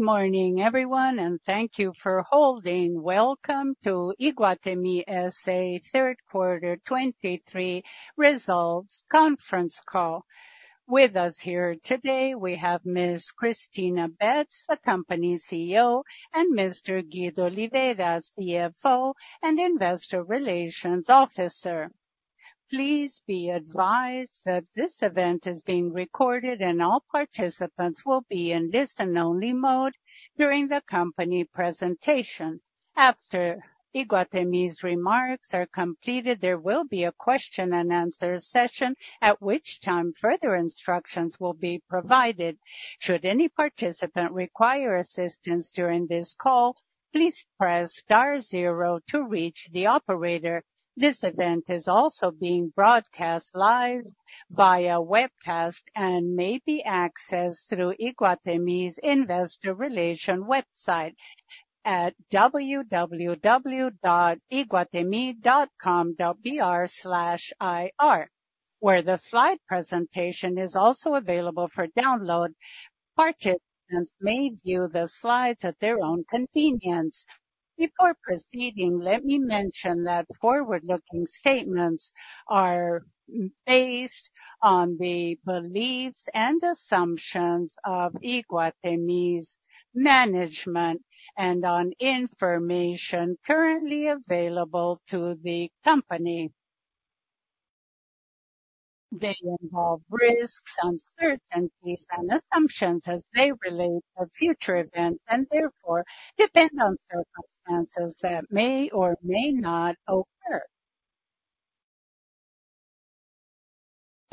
Good morning, everyone, and thank you for holding. Welcome to Iguatemi S.A. third quarter 2023 results conference call. With us here today, we have Ms. Cristina Betts, the company's CEO, and Mr. Guido Oliveira, CFO and Investor Relations Officer. Please be advised that this event is being recorded, and all participants will be in listen-only mode during the company presentation. After Iguatemi's remarks are completed, there will be a question and answer session, at which time further instructions will be provided. Should any participant require assistance during this call, please press star zero to reach the operator. This event is also being broadcast live via webcast and may be accessed through Iguatemi's Investor Relations website at www.iguatemi.com.br/ir, where the slide presentation is also available for download. Participants may view the slides at their own convenience. Before proceeding, let me mention that forward-looking statements are based on the beliefs and assumptions of Iguatemi's management and on information currently available to the company. They involve risks, uncertainties, and assumptions as they relate to future events and therefore depend on circumstances that may or may not occur.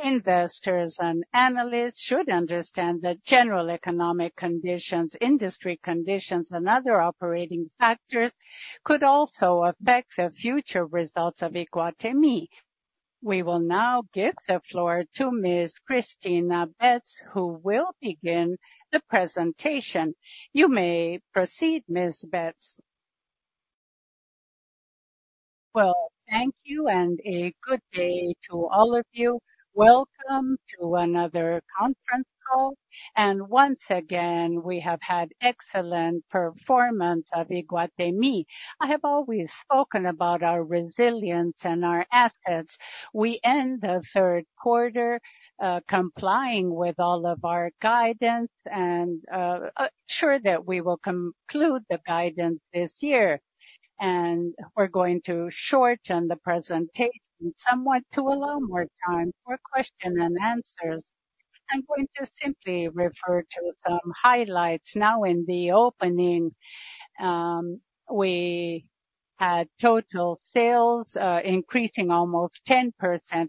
Investors and analysts should understand that general economic conditions, industry conditions, and other operating factors could also affect the future results of Iguatemi. We will now give the floor to Ms. Cristina Betts, who will begin the presentation. You may proceed, Ms. Betts. Well, thank you and a good day to all of you. Welcome to another conference call, and once again, we have had excellent performance at Iguatemi. I have always spoken about our resilience and our assets. We end the third quarter, complying with all of our guidance and, sure that we will conclude the guidance this year. We're going to shorten the presentation somewhat to allow more time for question and answers. I'm going to simply refer to some highlights now in the opening. We had total sales, increasing almost 10%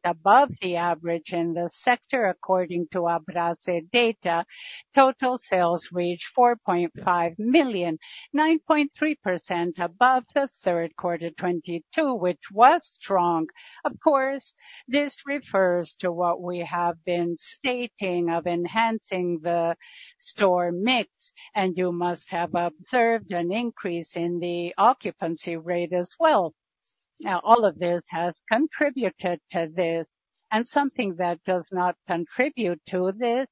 above the average in the sector, according to Abrasce data. Total sales reached 4.5 million, 9.3% above the third quarter 2022, which was strong. Of course, this refers to what we have been stating of enhancing the store mix, and you must have observed an increase in the occupancy rate as well. Now, all of this has contributed to this, and something that does not contribute to this,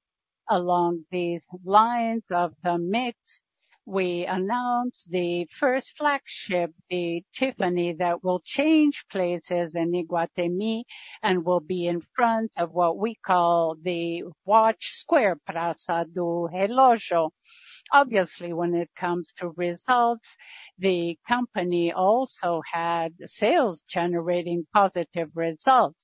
along these lines of the mix, we announced the first flagship, the Tiffany, that will change places in Iguatemi and will be in front of what we call the Watch Square, Praça do Relógio. Obviously, when it comes to results, the company also had sales generating positive results.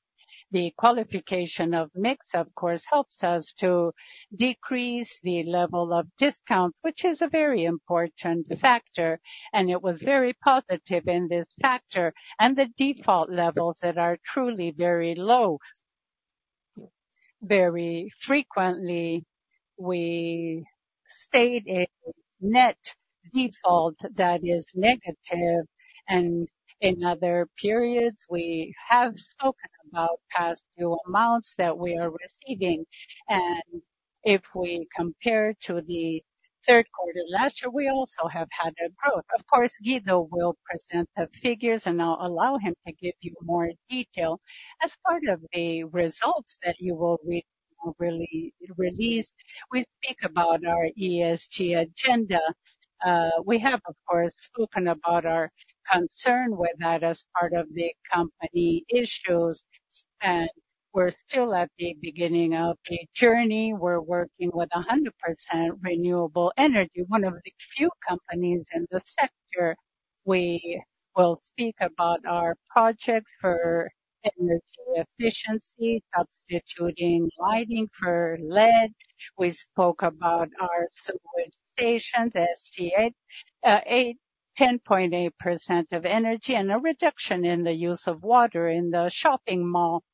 The qualification of mix, of course, helps us to decrease the level of discount, which is a very important factor, and it was very positive in this factor and the default levels that are truly very low. Very frequently, we state a net default that is negative, and in other periods, we have spoken about past due amounts that we are receiving. And if we compare to the third quarter last year, we also have had a growth. Of course, Guido will present the figures, and I'll allow him to give you more detail. As part of the results that you will read, really, released, we think about our ESG agenda. We have, of course, spoken about our concern with that as part of the company issues, and we're still at the beginning of the journey. We're working with 100% renewable energy, one of the few companies in the sector. We will speak about our project for energy efficiency, substituting lighting for LED. We spoke about our subway station, the SCA, 8, 10.8% of energy and a reduction in the use of water in the shopping mall.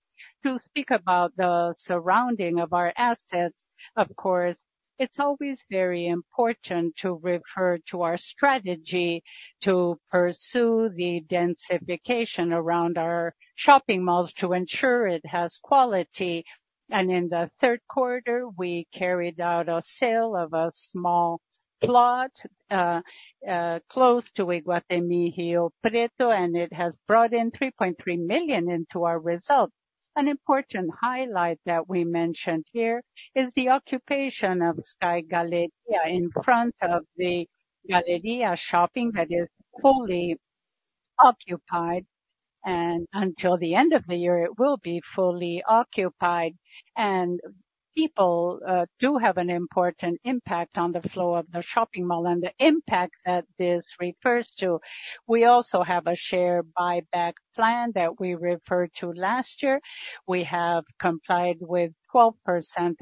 To speak about the surrounding of our assets, of course, it's always very important to refer to our strategy to pursue the densification around our shopping malls to ensure it has quality. In the third quarter, we carried out a sale of a small plot, close to Iguatemi Rio Preto, and it has brought in 3.3 million into our results. An important highlight that we mentioned here is the occupation of Sky Galleria in front of the Galleria Shopping, that is fully occupied, and until the end of the year, it will be fully occupied. People do have an important impact on the flow of the shopping mall and the impact that this refers to. We also have a share buyback plan that we referred to last year. We have complied with 12%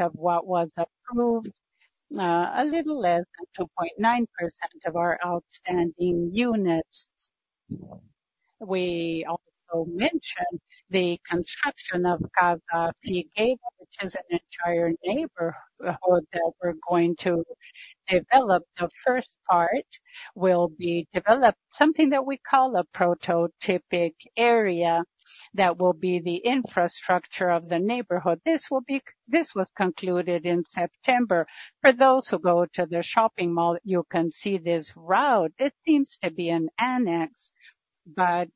of what was approved, a little less than 2.9% of our outstanding units. We also mentioned the construction of Casa Figueira, which is an entire neighborhood that we're going to develop. The first part will be developed, something that we call a prototypic area, that will be the infrastructure of the neighborhood. This was concluded in September. For those who go to the shopping mall, you can see this route. It seems to be an annex, but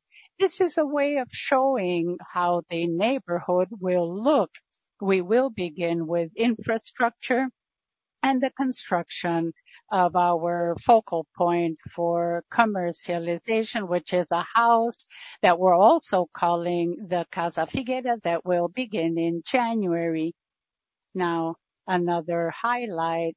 this is a way of showing how the neighborhood will look. We will begin with infrastructure and the construction of our focal point for commercialization, which is a house that we're also calling the Casa Figueira, that will begin in January. Now, another highlight.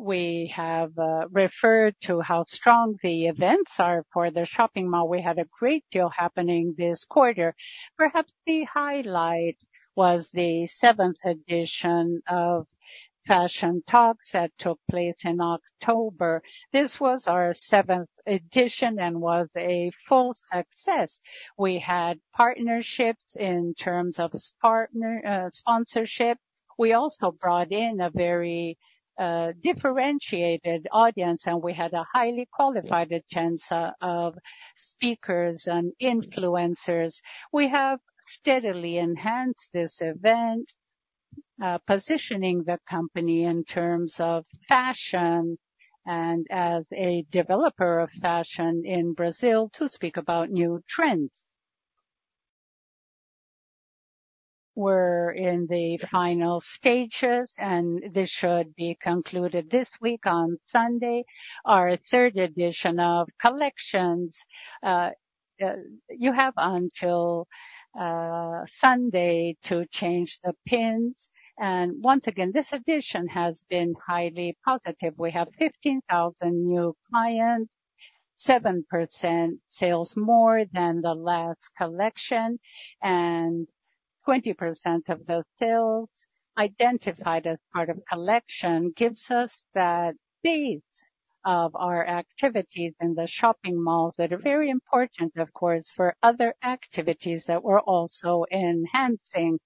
We have referred to how strong the events are for the shopping mall. We had a great deal happening this quarter. Perhaps the highlight was the seventh edition of Fashion Talks, that took place in October. This was our seventh edition and was a full success. We had partnerships in terms of partner, sponsorship. We also brought in a very differentiated audience, and we had a highly qualified attendance of speakers and influencers. We have steadily enhanced this event, positioning the company in terms of fashion and as a developer of fashion in Brazil to speak about new trends. We're in the final stages, and this should be concluded this week. On Sunday, our third edition of Collections. You have until Sunday to change the pins, and once again, this edition has been highly positive. We have 15,000 new clients, 7% sales more than the last collection, and 20% of the sales identified as part of collection, gives us that base of our activities in the shopping mall, that are very important, of course, for other activities that we're also enhancing.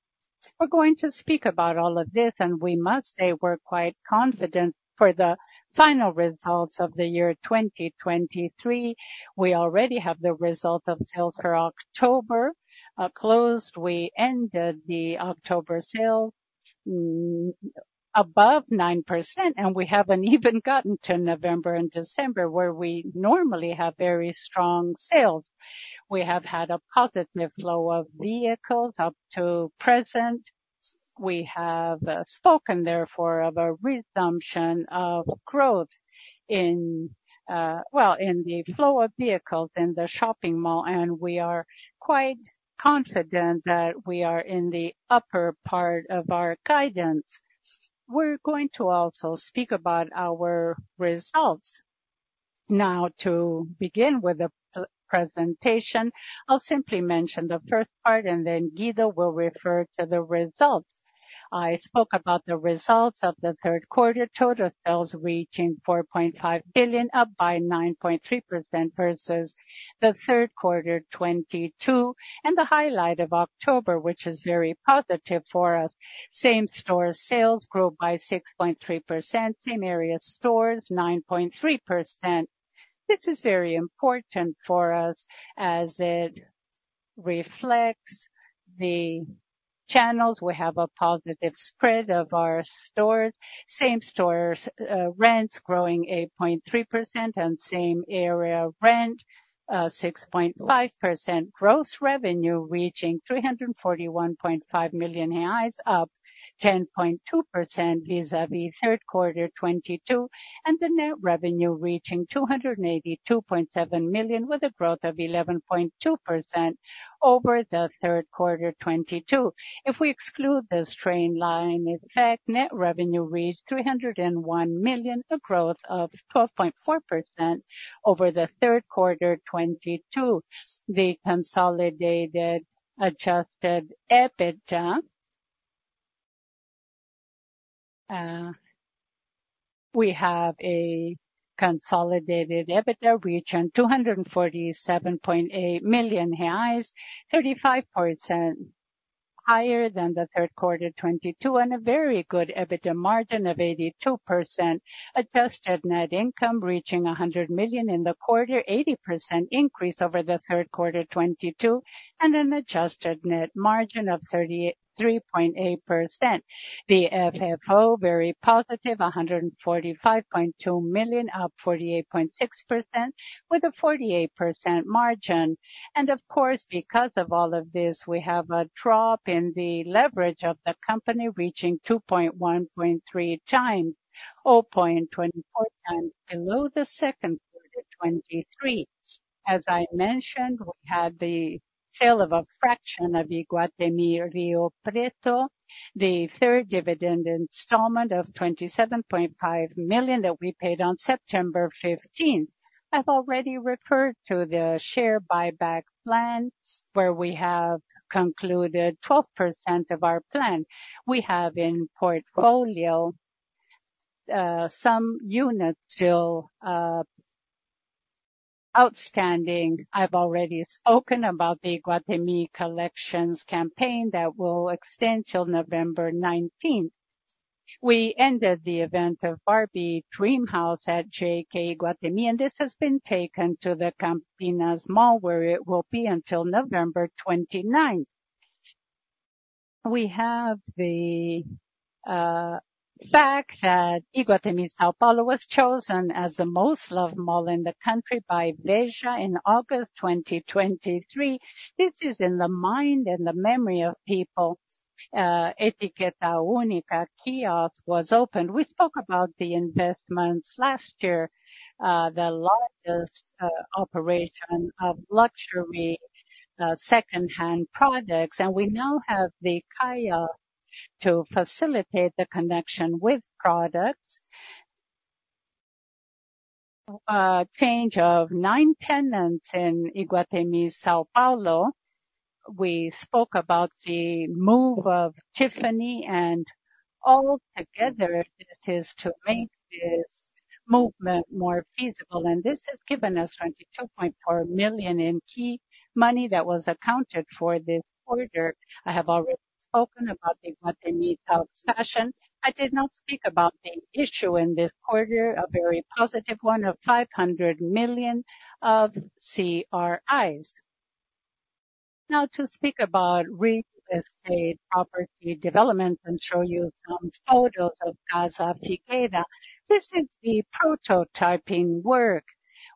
We're going to speak about all of this, and we must say we're quite confident for the final results of the year 2023. We already have the result of till for October. Closed, we ended the October sale above 9%, and we haven't even gotten to November and December, where we normally have very strong sales. We have had a positive flow of vehicles up to present. We have spoken, therefore, of a resumption of growth in, well, in the flow of vehicles in the shopping mall, and we are quite confident that we are in the upper part of our guidance. We're going to also speak about our results. Now, to begin with the presentation, I'll simply mention the first part, and then Guido will refer to the results. I spoke about the results of the third quarter. Total sales reaching 4.5 billion, up by 9.3% versus the third quarter 2022, and the highlight of October, which is very positive for us. Same store sales grew by 6.3%, same area stores, 9.3%. This is very important for us as it reflects the channels. We have a positive spread of our stores. Same stores, rents growing 8.3% and same area rent, 6.5%. Gross revenue reaching 341.5 million reais, up 10.2% vis-a-vis third quarter 2022, and the net revenue reaching 282.7 million, with a growth of 11.2% over the third quarter 2022. If we exclude the straight-line effect, net revenue reached 301 million, a growth of 12.4% over the third quarter 2022. The consolidated adjusted EBITDA, we have a consolidated EBITDA reaching 247.8 million reais, 35% higher than the third quarter 2022, and a very good EBITDA margin of 82%. Adjusted net income reaching 100 million in the quarter, 80% increase over the third quarter 2022, and an adjusted net margin of 33.8%. The FFO, very positive, 145.2 million, up 48.6%, with a 48% margin. And of course, because of all of this, we have a drop in the leverage of the company, reaching 2.1x-3x, or 0.24x below the second quarter 2023. As I mentioned, we had the sale of a fraction of Iguatemi Rio Preto, the third dividend installment of 27.5 million that we paid on September fifteenth. I've already referred to the share buyback plan, where we have concluded 12% of our plan. We have in portfolio some units still outstanding. I've already spoken about the Iguatemi Collections campaign that will extend till November nineteenth. We ended the event of Barbie Dreamhouse at JK Iguatemi, and this has been taken to the Campinas Mall, where it will be until November twenty-ninth. We have the fact that Iguatemi São Paulo was chosen as the most loved mall in the country by Veja in August 2023. This is in the mind and the memory of people. Etiqueta Única kiosk was opened. We spoke about the investments last year, the largest operation of luxury second-hand products, and we now have the Etiqueta to facilitate the connection with products. Change of nine tenants in Iguatemi São Paulo. We spoke about the move of Tiffany and all together, it is to make this movement more feasible, and this has given us 22.4 million in key money that was accounted for this quarter. I have already spoken about the Iguatemi São Paulo fashion. I did not speak about the issue in this quarter, a very positive one of 500 million of CRIs. Now to speak about real estate property development and show you some photos of Casa Figueira. This is the prototyping work.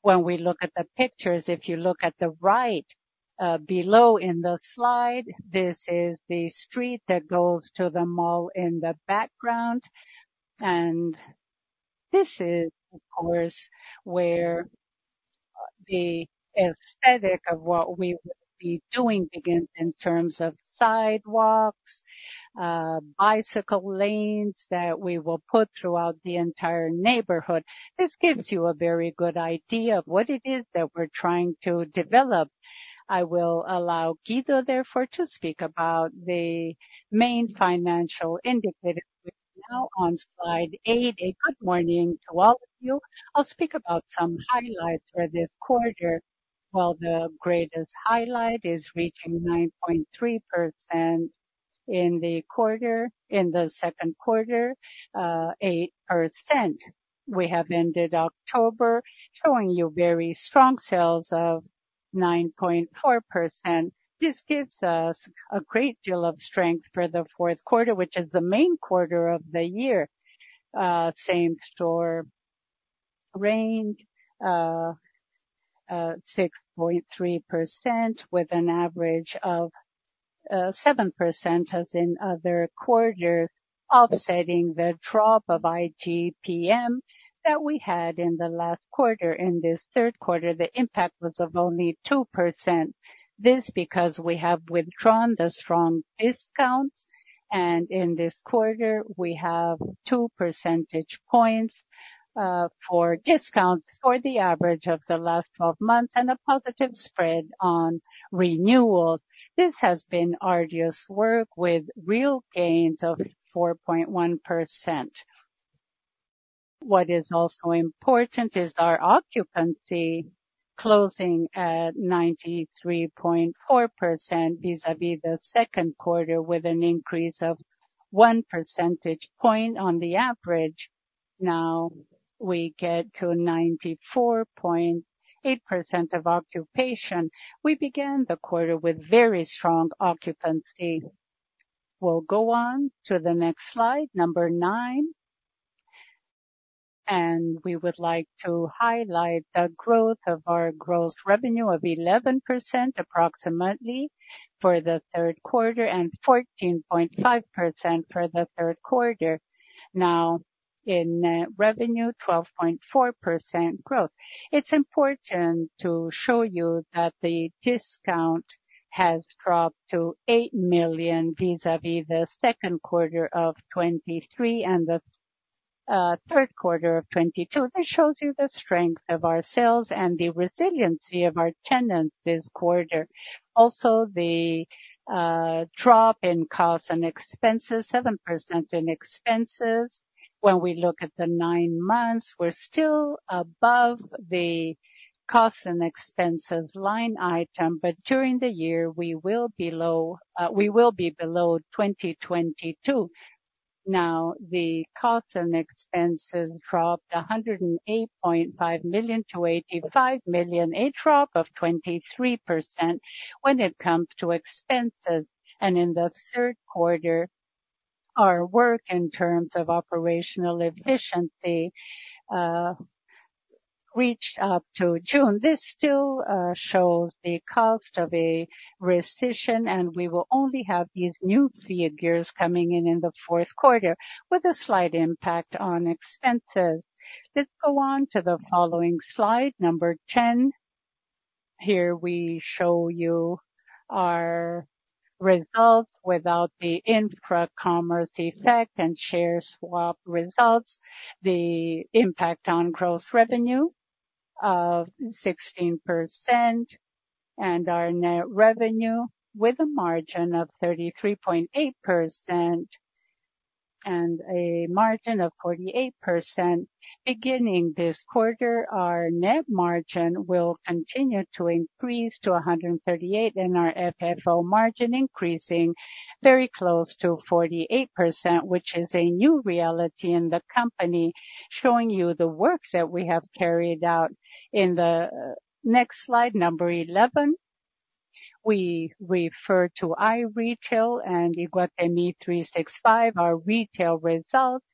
When we look at the pictures, if you look at the right, below in the slide, this is the street that goes to the mall in the background. And this is, of course, where the aesthetic of what we will be doing again, in terms of sidewalks, bicycle lanes that we will put throughout the entire neighborhood. This gives you a very good idea of what it is that we're trying to develop. I will allow Guido, therefore, to speak about the main financial indicators. We're now on slide eight. Good morning to all of you. I'll speak about some highlights for this quarter. Well, the greatest highlight is reaching 9.3% in the quarter - in the second quarter, 8%. We have ended October, showing you very strong sales of 9.4%. This gives us a great deal of strength for the fourth quarter, which is the main quarter of the year. Same store rent, 6.3%, with an average of 7% as in other quarters, offsetting the drop of IGP-M that we had in the last quarter. In this third quarter, the impact was of only 2%. This because we have withdrawn the strong discounts, and in this quarter, we have two percentage points for discounts or the average of the last twelve months and a positive spread on renewal. This has been arduous work with real gains of 4.1%. What is also important is our occupancy closing at 93.4% vis-a-vis the second quarter, with an increase of one percentage point on the average. Now, we get to 94.8% of occupation. We began the quarter with very strong occupancy. We'll go on to the next slide, number nine. We would like to highlight the growth of our gross revenue of 11%, approximately, for the third quarter, and 14.5% for the third quarter. Now, in net revenue, 12.4% growth. It's important to show you that the discount has dropped to 8 million vis-a-vis the second quarter of 2023 and the third quarter of 2022. This shows you the strength of our sales and the resiliency of our tenants this quarter. Also, the drop in costs and expenses, 7% in expenses. When we look at the nine months, we're still above the costs and expenses line item, but during the year, we will be below 2022. Now, the costs and expenses dropped 108.5 million to 85 million, a drop of 23% when it comes to expenses. And in the third quarter, our work in terms of operational efficiency reached up to June. This still shows the cost of a recession, and we will only have these new figures coming in in the fourth quarter, with a slight impact on expenses. Let's go on to the following slide, number 10.... Here we show you our results without the Infracommerce effect and share swap results, the impact on gross revenue of 16% and our net revenue with a margin of 33.8% and a margin of 48%. Beginning this quarter, our net margin will continue to increase to 138, and our FFO margin increasing very close to 48%, which is a new reality in the company, showing you the work that we have carried out. In the next slide, number 11, we refer to iRetail and Iguatemi 365, our retail results.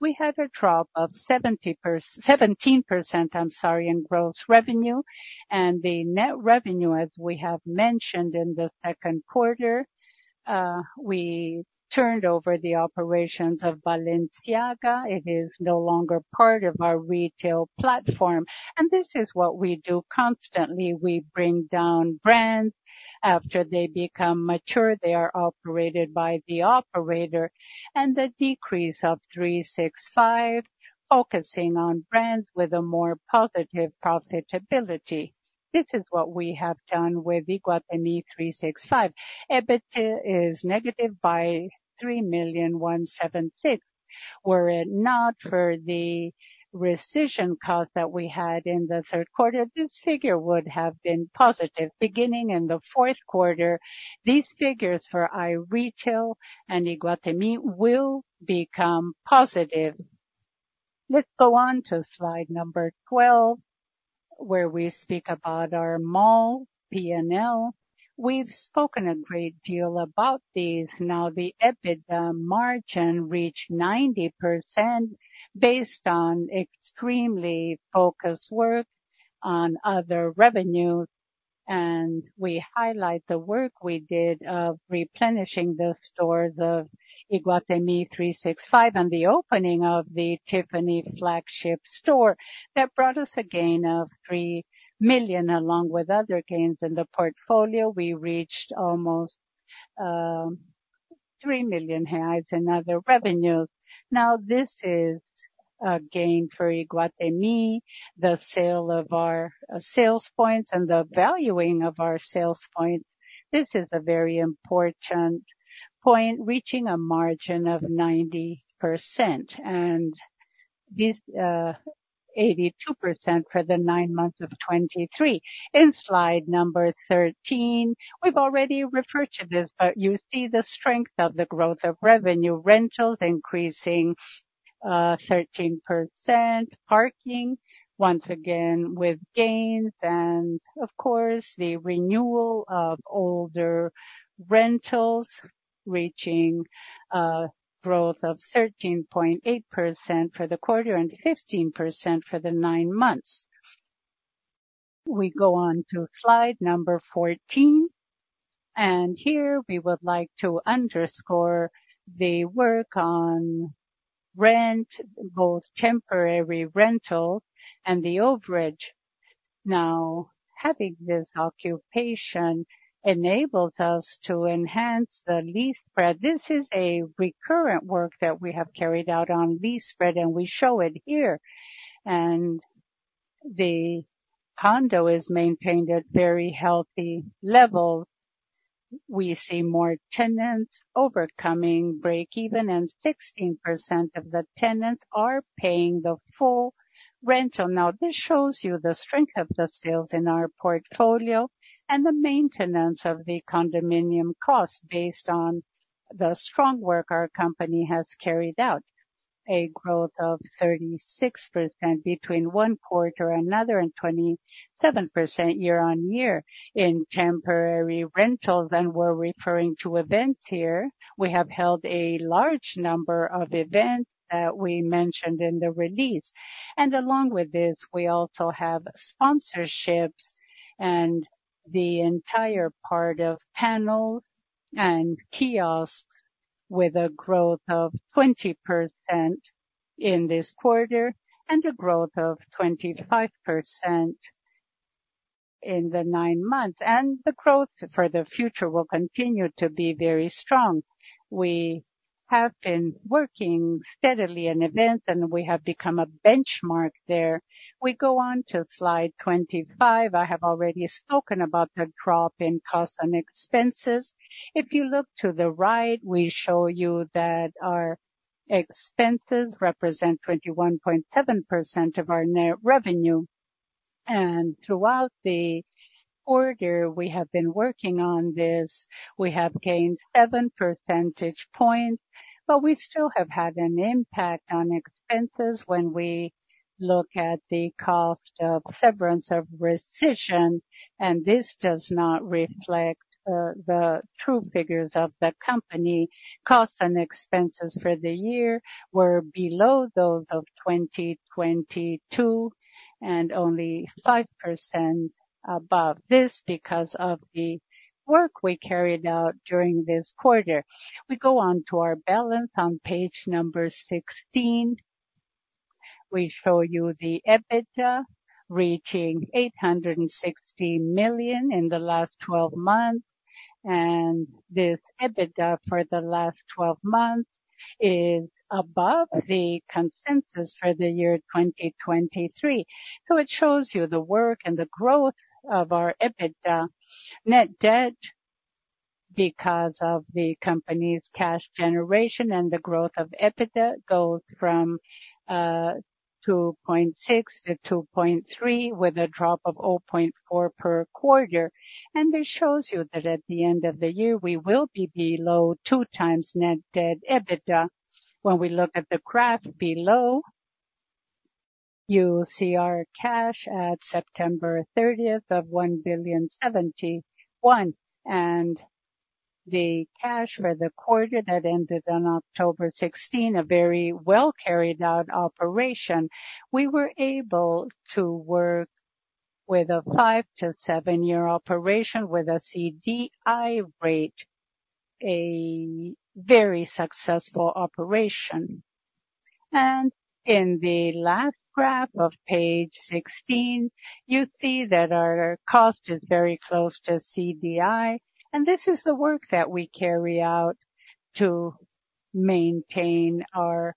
We have a drop of seventeen percent, I'm sorry, in gross revenue and the net revenue, as we have mentioned in the second quarter, we turned over the operations of Balenciaga. It is no longer part of our retail platform, and this is what we do constantly. We bring down brands. After they become mature, they are operated by the operator, and the decrease of 365, focusing on brands with a more positive profitability. This is what we have done with Iguatemi 365. EBIT is negative by 3.176 million. Were it not for the rescission cost that we had in the third quarter, this figure would have been positive. Beginning in the fourth quarter, these figures for iRetail and Iguatemi will become positive. Let's go on to slide 12, where we speak about our mall P&L. We've spoken a great deal about these. Now, the EBITDA margin reached 90% based on extremely focused work on other revenues, and we highlight the work we did of replenishing the stores of Iguatemi 365, and the opening of the Tiffany flagship store. That brought us a gain of 3 million, along with other gains in the portfolio. We reached almost 3 million reais in other revenues. Now, this is a gain for Iguatemi, the sale of our sales points and the valuing of our sales points. This is a very important point, reaching a margin of 90% and this, 82% for the nine months of 2023. In slide number 13, we've already referred to this, but you see the strength of the growth of revenue. Rentals increasing, 13%, parking once again with gains, and of course, the renewal of older rentals reaching a growth of 13.8% for the quarter and 15% for the nine months. We go on to slide number 14, and here we would like to underscore the work on rent, both temporary rental and the overage. Now, having this occupation enables us to enhance the lease spread. This is a recurrent work that we have carried out on lease spread, and we show it here. And the condo is maintained at very healthy levels. We see more tenants overcoming break-even, and 16% of the tenants are paying the full rental. Now, this shows you the strength of the sales in our portfolio and the maintenance of the condominium costs based on the strong work our company has carried out. A growth of 36% between one quarter another and 27% year on year in temporary rentals, and we're referring to events here. We have held a large number of events that we mentioned in the release, and along with this, we also have sponsorships and the entire part of panels and kiosks, with a growth of 20% in this quarter and a growth of 25% in the 9 months, and the growth for the future will continue to be very strong. We have been working steadily in events, and we have become a benchmark there. We go on to slide 25. I have already spoken about the drop in costs and expenses. If you look to the right, we show you that our expenses represent 21.7% of our net revenue, and throughout the quarter, we have been working on this. We have gained seven percentage points, but we still have had an impact on expenses when we look at the cost of severance of rescission, and this does not reflect the true figures of the company. Costs and expenses for the year were below those of 2022 and only 5% above this because of the work we carried out during this quarter. We go on to our balance on page number 16.... We show you the EBITDA reaching 860 million in the last twelve months, and this EBITDA for the last twelve months is above the consensus for the year 2023. It shows you the work and the growth of our EBITDA net debt, because of the company's cash generation and the growth of EBITDA goes from 2.6 to 2.3, with a drop of 0.4 per quarter. This shows you that at the end of the year, we will be below 2x net debt/EBITDA. When we look at the graph below, you see our cash at September 30 of 1.071 billion, and the cash for the quarter that ended on October 16, a very well carried out operation. We were able to work with a 5-7 year operation with a CDI rate, a very successful operation. In the last graph of page 16, you see that our cost is very close to CDI, and this is the work that we carry out to maintain our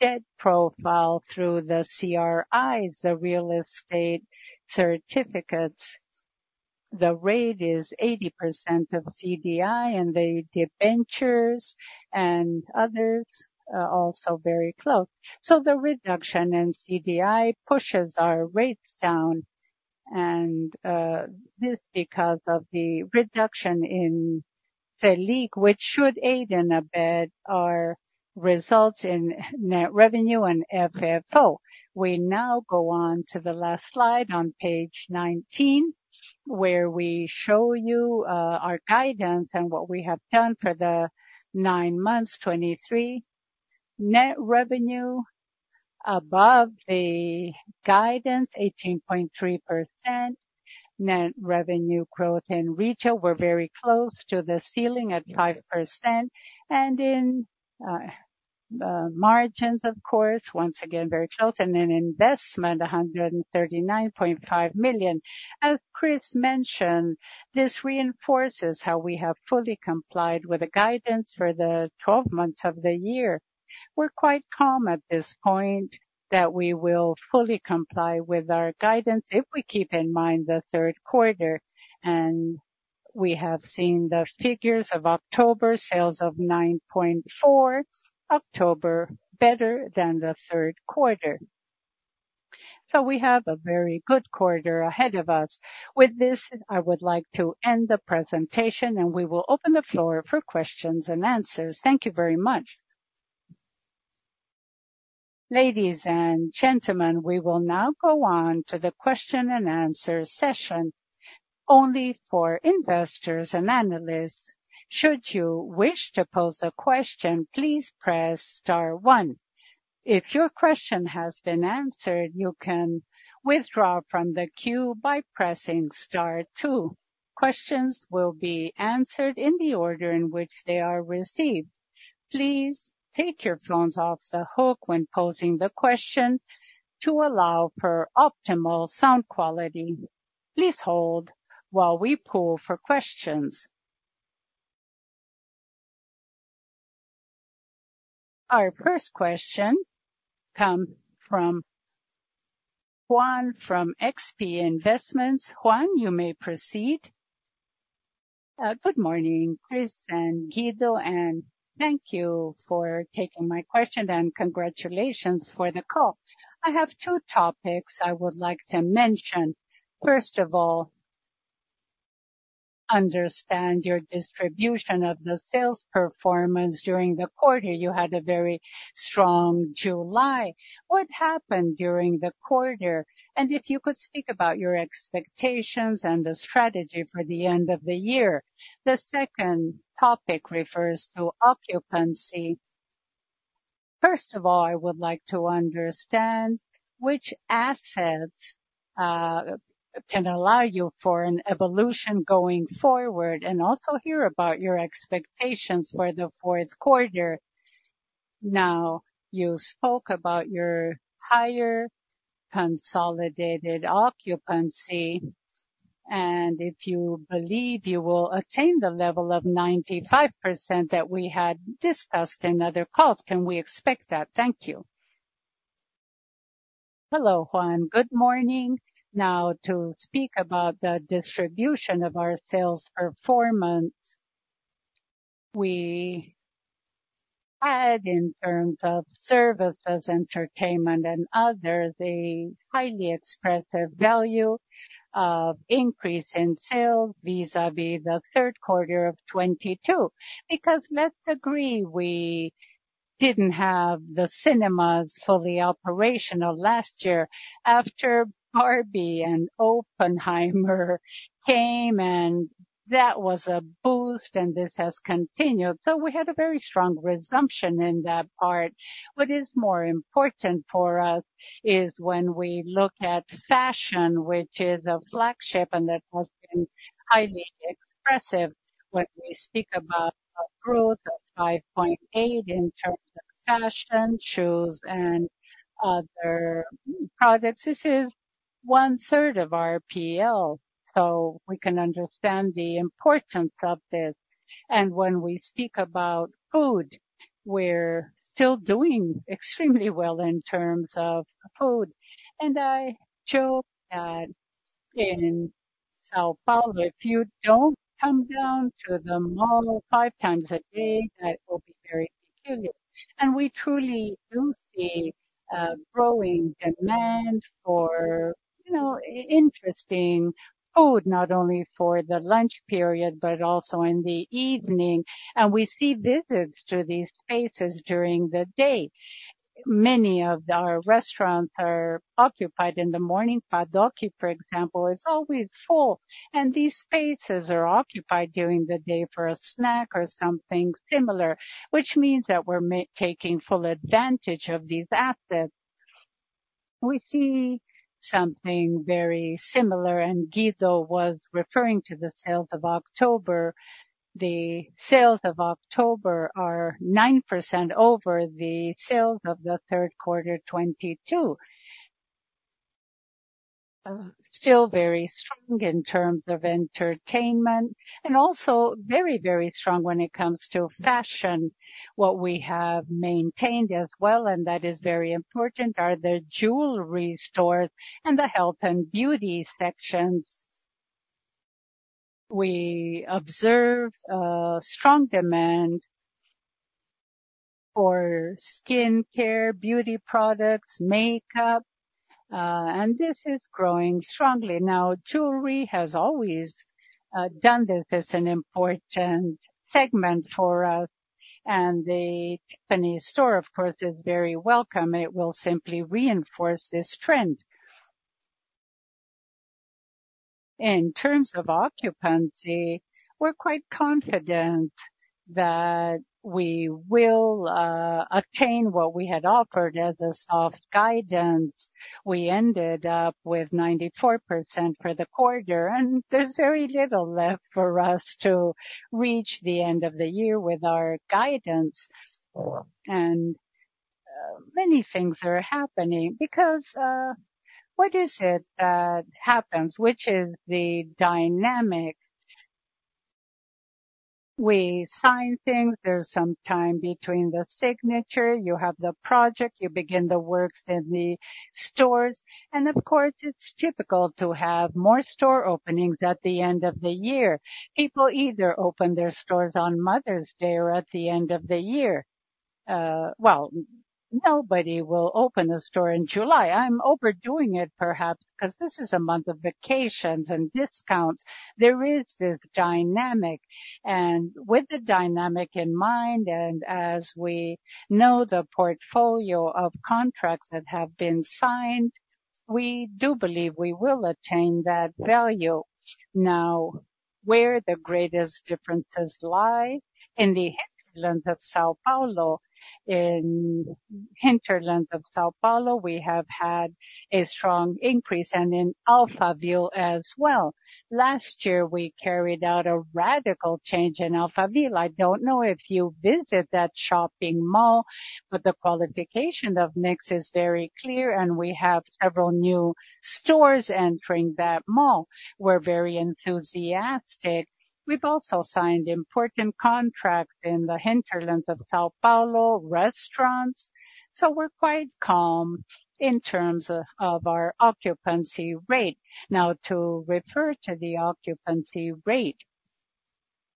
debt profile through the CRIs, the real estate certificates. The rate is 80% of CDI, and the, the ventures and others are also very close. The reduction in CDI pushes our rates down, and this, because of the reduction in the Selic, which should aid and abet our results in net revenue and FFO. We now go on to the last slide on page 19, where we show you our guidance and what we have done for the nine months, 2023. Net revenue above the guidance, 18.3%. Net revenue growth in retail were very close to the ceiling at 5%. In margins, of course, once again, very close, and in investment, 139.5 million. As Chris mentioned, this reinforces how we have fully complied with the guidance for the twelve months of the year. We're quite calm at this point that we will fully comply with our guidance if we keep in mind the third quarter, and we have seen the figures of October, sales of 9.4, October, better than the third quarter. We have a very good quarter ahead of us. With this, I would like to end the presentation, and we will open the floor for questions and answers. Thank you very much. Ladies and gentlemen, we will now go on to the question and answer session only for investors and analysts. Should you wish to pose a question, please press star one. If your question has been answered, you can withdraw from the queue by pressing star two. Questions will be answered in the order in which they are received. Please take your phones off the hook when posing the question to allow for optimal sound quality. Please hold while we poll for questions. Our first question comes from Juan, from XP Investments. Juan, you may proceed. Good morning, Chris and Guido, and thank you for taking my question, and congratulations for the call. I have two topics I would like to mention. First of all, understand your distribution of the sales performance during the quarter. You had a very strong July. What happened during the quarter? And if you could speak about your expectations and the strategy for the end of the year. The second topic refers to occupancy. First of all, I would like to understand which assets can allow you for an evolution going forward, and also hear about your expectations for the fourth quarter. Now, you spoke about your higher consolidated occupancy, and if you believe you will attain the level of 95% that we had discussed in other calls, can we expect that? Thank you. Hello, Juan. Good morning. Now, to speak about the distribution of our sales performance, we had in terms of services, entertainment, and others, a highly expressive value of increase in sales vis-à-vis the third quarter of 2022. Because let's agree, we didn't have the cinemas fully operational last year. After Barbie and Oppenheimer came, and that was a boost, and this has continued. So we had a very strong resumption in that part. What is more important for us is when we look at fashion, which is a flagship, and that has been highly expressive. When we speak about a growth of 5.8 in terms of fashion, shoes, and other products, this is one third of our PL. So we can understand the importance of this. When we speak about food, we're still doing extremely well in terms of food. I joke that in São Paulo, if you don't come down to the mall five times a day, that will be very peculiar. We truly do see growing demand for, you know, interesting food, not only for the lunch period, but also in the evening. We see visits to these spaces during the day. Many of our restaurants are occupied in the morning. Padoca, for example, is always full, and these spaces are occupied during the day for a snack or something similar, which means that we're taking full advantage of these assets. We see something very similar, and Guido was referring to the sales of October. The sales of October are 9% over the sales of the third quarter 2022. Still very strong in terms of entertainment and also very, very strong when it comes to fashion. What we have maintained as well, and that is very important, are the jewelry stores and the health and beauty sections. We observed a strong demand for skincare, beauty products, makeup, and this is growing strongly. Now, jewelry has always done this as an important segment for us, and the Tiffany store, of course, is very welcome. It will simply reinforce this trend. In terms of occupancy, we're quite confident that we will attain what we had offered as a soft guidance. We ended up with 94% for the quarter, and there's very little left for us to reach the end of the year with our guidance. And many things are happening because what is it that happens, which is the dynamic? We sign things. There's some time between the signature. You have the project, you begin the works in the stores, and of course, it's typical to have more store openings at the end of the year. People either open their stores on Mother's Day or at the end of the year. Well, nobody will open a store in July. I'm overdoing it perhaps because this is a month of vacations and discounts. There is this dynamic, and with the dynamic in mind, and as we know, the portfolio of contracts that have been signed, we do believe we will attain that value. Now, where the greatest differences lie, in the hinterland of São Paulo. In hinterland of São Paulo, we have had a strong increase and in Alphaville as well. Last year, we carried out a radical change in Alphaville. I don't know if you visit that shopping mall, but the qualification of mix is very clear, and we have several new stores entering that mall. We're very enthusiastic. We've also signed important contracts in the hinterland of São Paulo, restaurants. So we're quite calm in terms of our occupancy rate. Now, to refer to the occupancy rate,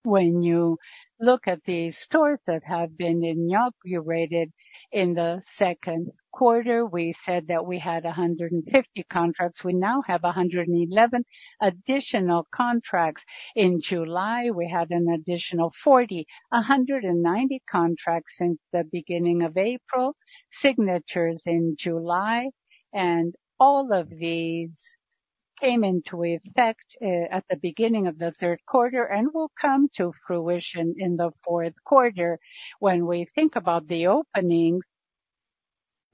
when you look at the stores that have been inaugurated in the second quarter, we said that we had 150 contracts. We now have 111 additional contracts. In July, we had an additional 40, 190 contracts since the beginning of April, signatures in July, and all of these came into effect at the beginning of the third quarter and will come to fruition in the fourth quarter. When we think about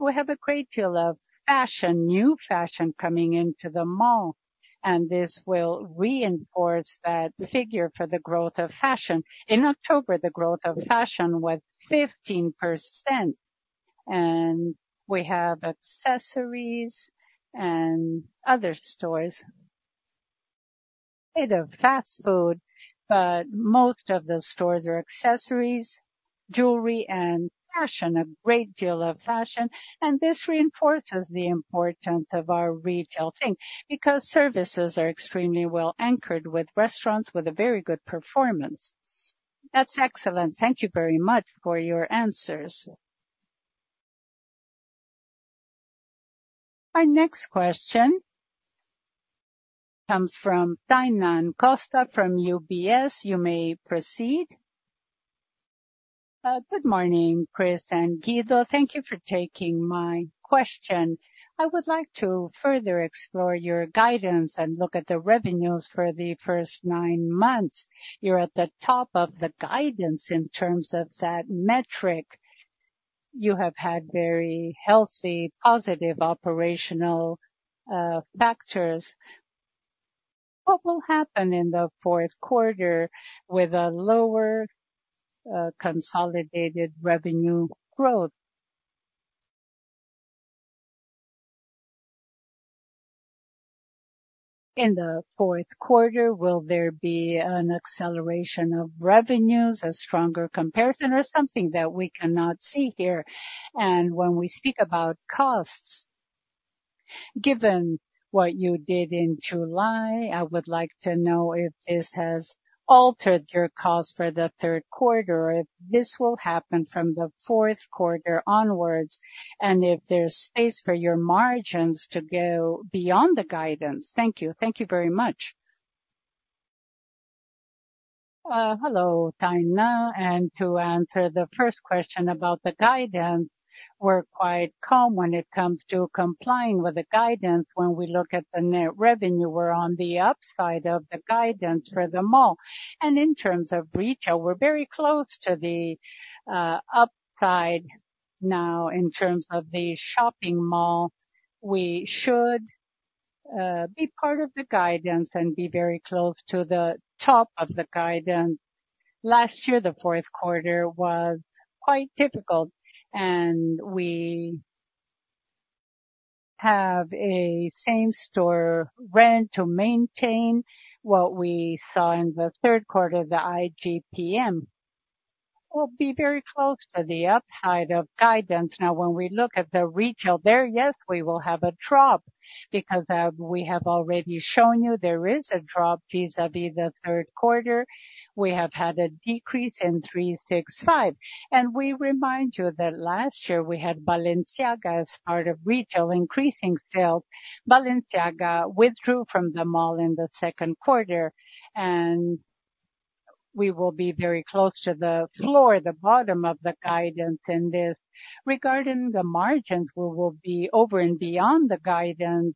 the openings, we have a great deal of fashion, new fashion, coming into the mall, and this will reinforce that figure for the growth of fashion. In October, the growth of fashion was 15%, and we have accessories and other stores. They have fast food, but most of the stores are accessories, jewelry and fashion, a great deal of fashion. This reinforces the importance of our retail thing, because services are extremely well anchored with restaurants with a very good performance. That's excellent. Thank you very much for your answers. Our next question comes from Tainan Costa, from UBS. You may proceed. Good morning, Chris and Guido. Thank you for taking my question. I would like to further explore your guidance and look at the revenues for the first nine months. You're at the top of the guidance in terms of that metric... you have had very healthy, positive operational factors. What will happen in the fourth quarter with a lower consolidated revenue growth? In the fourth quarter, will there be an acceleration of revenues, a stronger comparison, or something that we cannot see here? When we speak about costs, given what you did in July, I would like to know if this has altered your costs for the third quarter, if this will happen from the fourth quarter onwards, and if there's space for your margins to go beyond the guidance. Thank you. Thank you very much. Hello, Tainan, and to answer the first question about the guidance, we're quite calm when it comes to complying with the guidance. When we look at the net revenue, we're on the upside of the guidance for the mall. And in terms of retail, we're very close to the upside now. In terms of the shopping mall, we should be part of the guidance and be very close to the top of the guidance. Last year, the fourth quarter was quite difficult, and we have a same store rent to maintain what we saw in the third quarter, the IGP-M. We'll be very close to the upside of guidance. Now, when we look at the retail there, yes, we will have a drop because, we have already shown you there is a drop vis-a-vis the third quarter. We have had a decrease in 365. And we remind you that last year we had Balenciaga as part of retail, increasing sales. Balenciaga withdrew from the mall in the second quarter, and we will be very close to the floor, the bottom of the guidance in this. Regarding the margins, we will be over and beyond the guidance.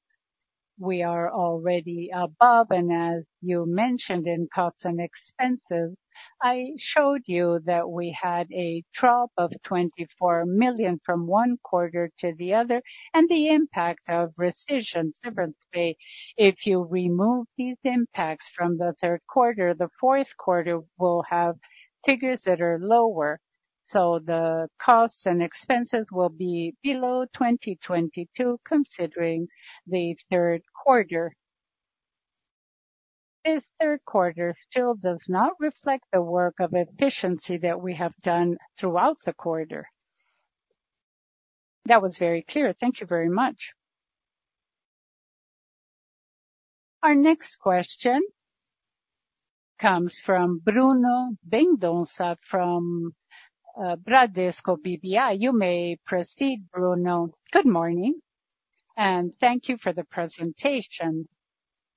We are already above, and as you mentioned, in costs and expenses, I showed you that we had a drop of 24 million from one quarter to the other, and the impact of rescissions. If you remove these impacts from the third quarter, the fourth quarter will have figures that are lower, so the costs and expenses will be below 2022, considering the third quarter. This third quarter still does not reflect the work of efficiency that we have done throughout the quarter. That was very clear. Thank you very much. Our next question comes from Bruno Mendonça, from Bradesco BBI. You may proceed, Bruno. Good morning, and thank you for the presentation.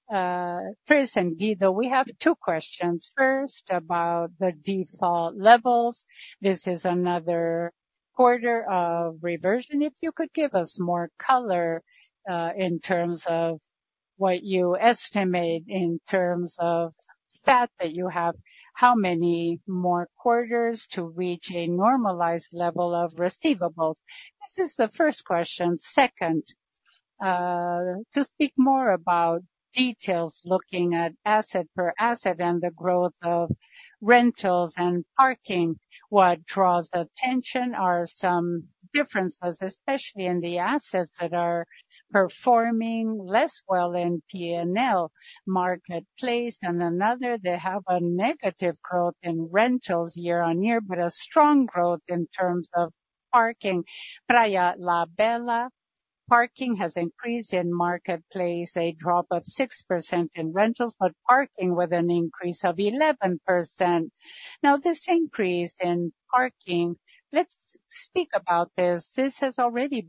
Chris and Guido, we have two questions. First, about the default levels. This is another quarter of reversion. If you could give us more color, in terms of what you estimate in terms of fact, that you have how many more quarters to reach a normalized level of receivables? This is the first question. Second, to speak more about details, looking at asset per asset and the growth of rentals and parking, what draws attention are some differences, especially in the assets that are performing less well in P&L. Market Place and another, they have a negative growth in rentals year-on-year, but a strong growth in terms of parking. Praia de Belas parking has increased in Market Place, a drop of 6% in rentals, but parking with an increase of 11%. Now, this increase in parking, let's speak about this. This has already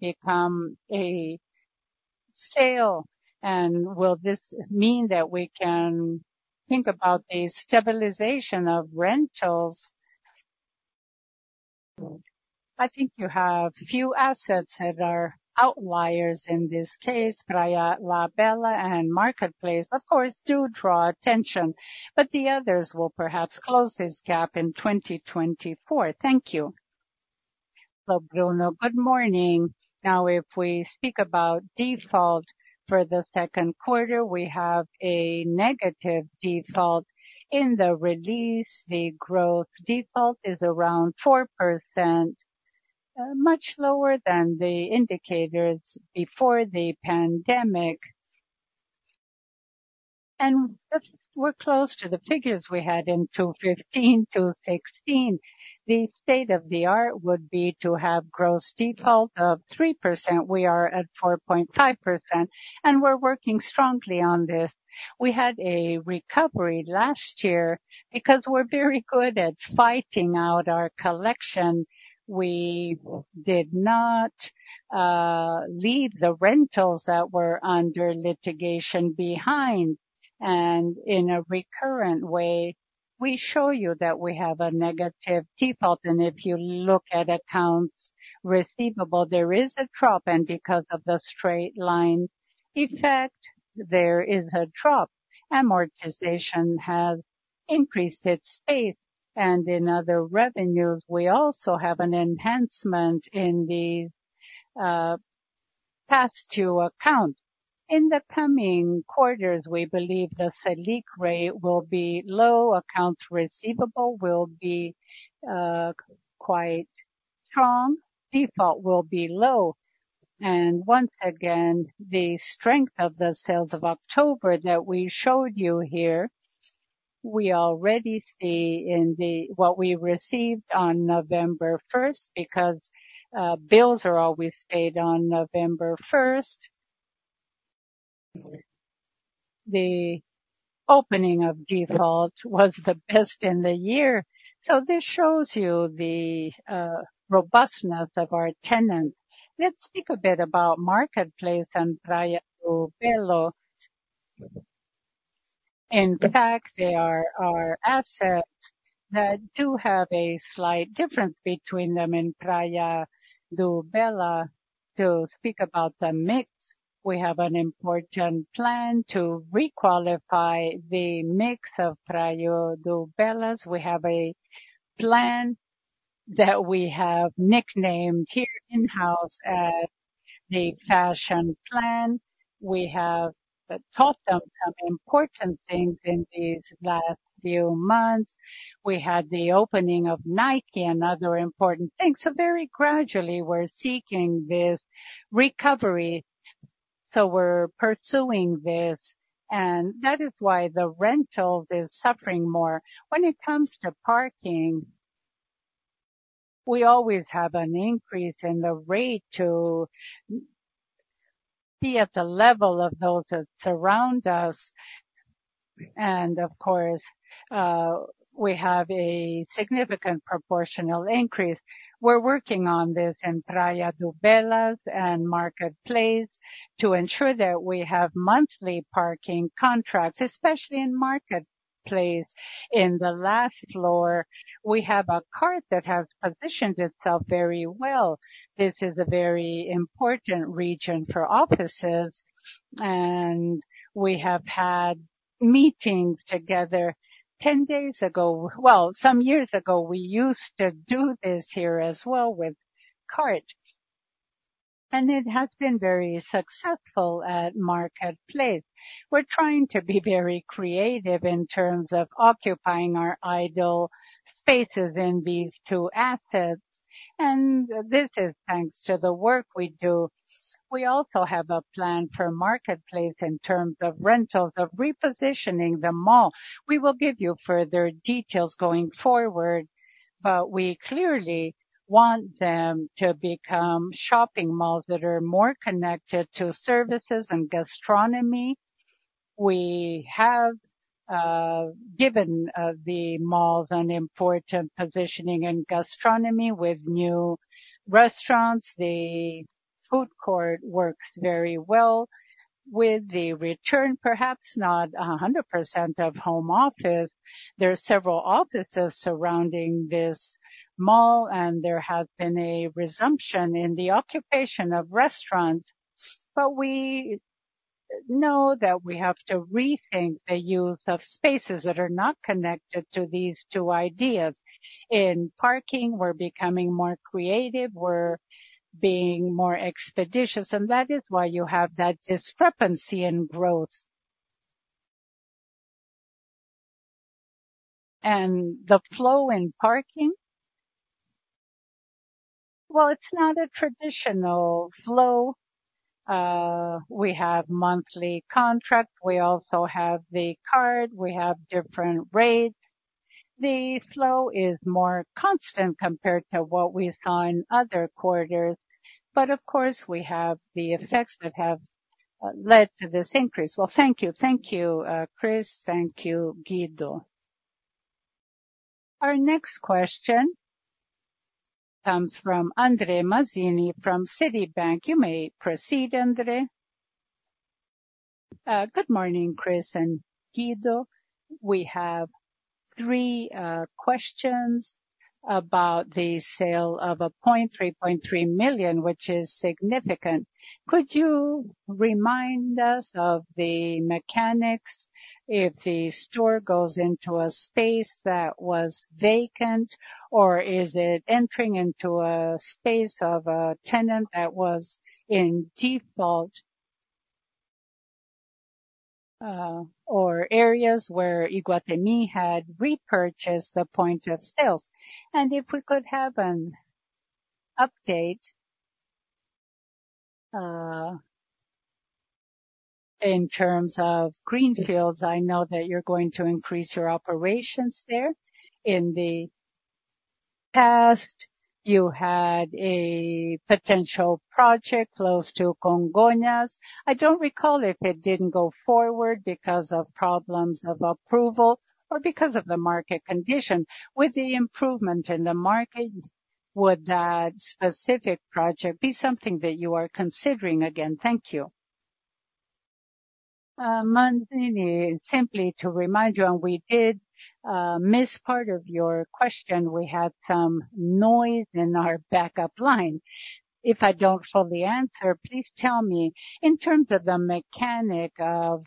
become a sale, and will this mean that we can think about a stabilization of rentals? I think you have few assets that are outliers in this case, Praia de Belas and Market Place, of course, do draw attention, but the others will perhaps close this gap in 2024. Thank you. Hello, Bruno. Good morning. Now, if we speak about default for the second quarter, we have a negative default. In the release, the gross default is around 4%, much lower than the indicators before the pandemic. We're close to the figures we had in 2015, 2016. The state of the art would be to have gross default of 3%. We are at 4.5%, and we're working strongly on this. We had a recovery last year because we're very good at fighting out our collection. We did not leave the rentals that were under litigation behind, and in a recurrent way, we show you that we have a negative default. And if you look at accounts receivable, there is a drop, and because of the straight-line effect, there is a drop. Amortization has increased its pace. And in other revenues, we also have an enhancement in the past due account. In the coming quarters, we believe the Selic rate will be low, accounts receivable will be quite strong, default will be low. And once again, the strength of the sales of October that we showed you here, we already see in what we received on November first, because bills are always paid on November first. The opening of default was the best in the year. So this shows you the robustness of our tenants. Let's speak a bit about Market Place and Praia de Belas. In fact, they are our assets that do have a slight difference between them and Praia de Belas. To speak about the mix, we have an important plan to re-qualify the mix of Praia de Belas. We have a plan that we have nicknamed here in-house as the fashion plan. We have taught them some important things in these last few months. We had the opening of Nike and other important things. So very gradually, we're seeking this recovery. So we're pursuing this, and that is why the rentals is suffering more. When it comes to parking, we always have an increase in the rate to be at the level of those that surround us. And of course, we have a significant proportional increase. We're working on this in Praia de Belas and Market Place to ensure that we have monthly parking contracts, especially in Market Place. In the last floor, we have a Carrefour that has positioned itself very well. This is a very important region for offices, and we have had meetings together 10 days ago. Well, some years ago, we used to do this here as well with Carrefour, and it has been very successful at Market Place. We're trying to be very creative in terms of occupying our idle spaces in these two assets, and this is thanks to the work we do. We also have a plan for Market Place in terms of rentals, of repositioning the mall. We will give you further details going forward, but we clearly want them to become shopping malls that are more connected to services and gastronomy. We have given the malls an important positioning in gastronomy with new restaurants. The food court works very well. With the return, perhaps not 100% of home office. There are several offices surrounding this mall, and there has been a resumption in the occupation of restaurants. But we know that we have to rethink the use of spaces that are not connected to these two ideas. In parking, we're becoming more creative, we're being more expeditious, and that is why you have that discrepancy in growth. And the flow in parking? Well, it's not a traditional flow. We have monthly contracts. We also have the card. We have different rates. The flow is more constant compared to what we saw in other quarters, but of course, we have the effects that have led to this increase. Well, thank you. Thank you, Chris. Thank you, Guido. Our next question comes from Andre Mazini, from Citibank. You may proceed, Andre. Good morning, Chris and Guido. We have three questions about the sale of a point, 3.3 million, which is significant. Could you remind us of the mechanics if the store goes into a space that was vacant, or is it entering into a space of a tenant that was in default, or areas where Iguatemi had repurchased the point of sales? And if we could have an update in terms of greenfields, I know that you're going to increase your operations there. In the past, you had a potential project close to Congonhas. I don't recall if it didn't go forward because of problems of approval or because of the market condition. With the improvement in the market, would that specific project be something that you are considering again? Thank you. Mazzini, simply to remind you, and we did miss part of your question. We had some noise in our backup line. If I don't show the answer, please tell me. In terms of the mechanics of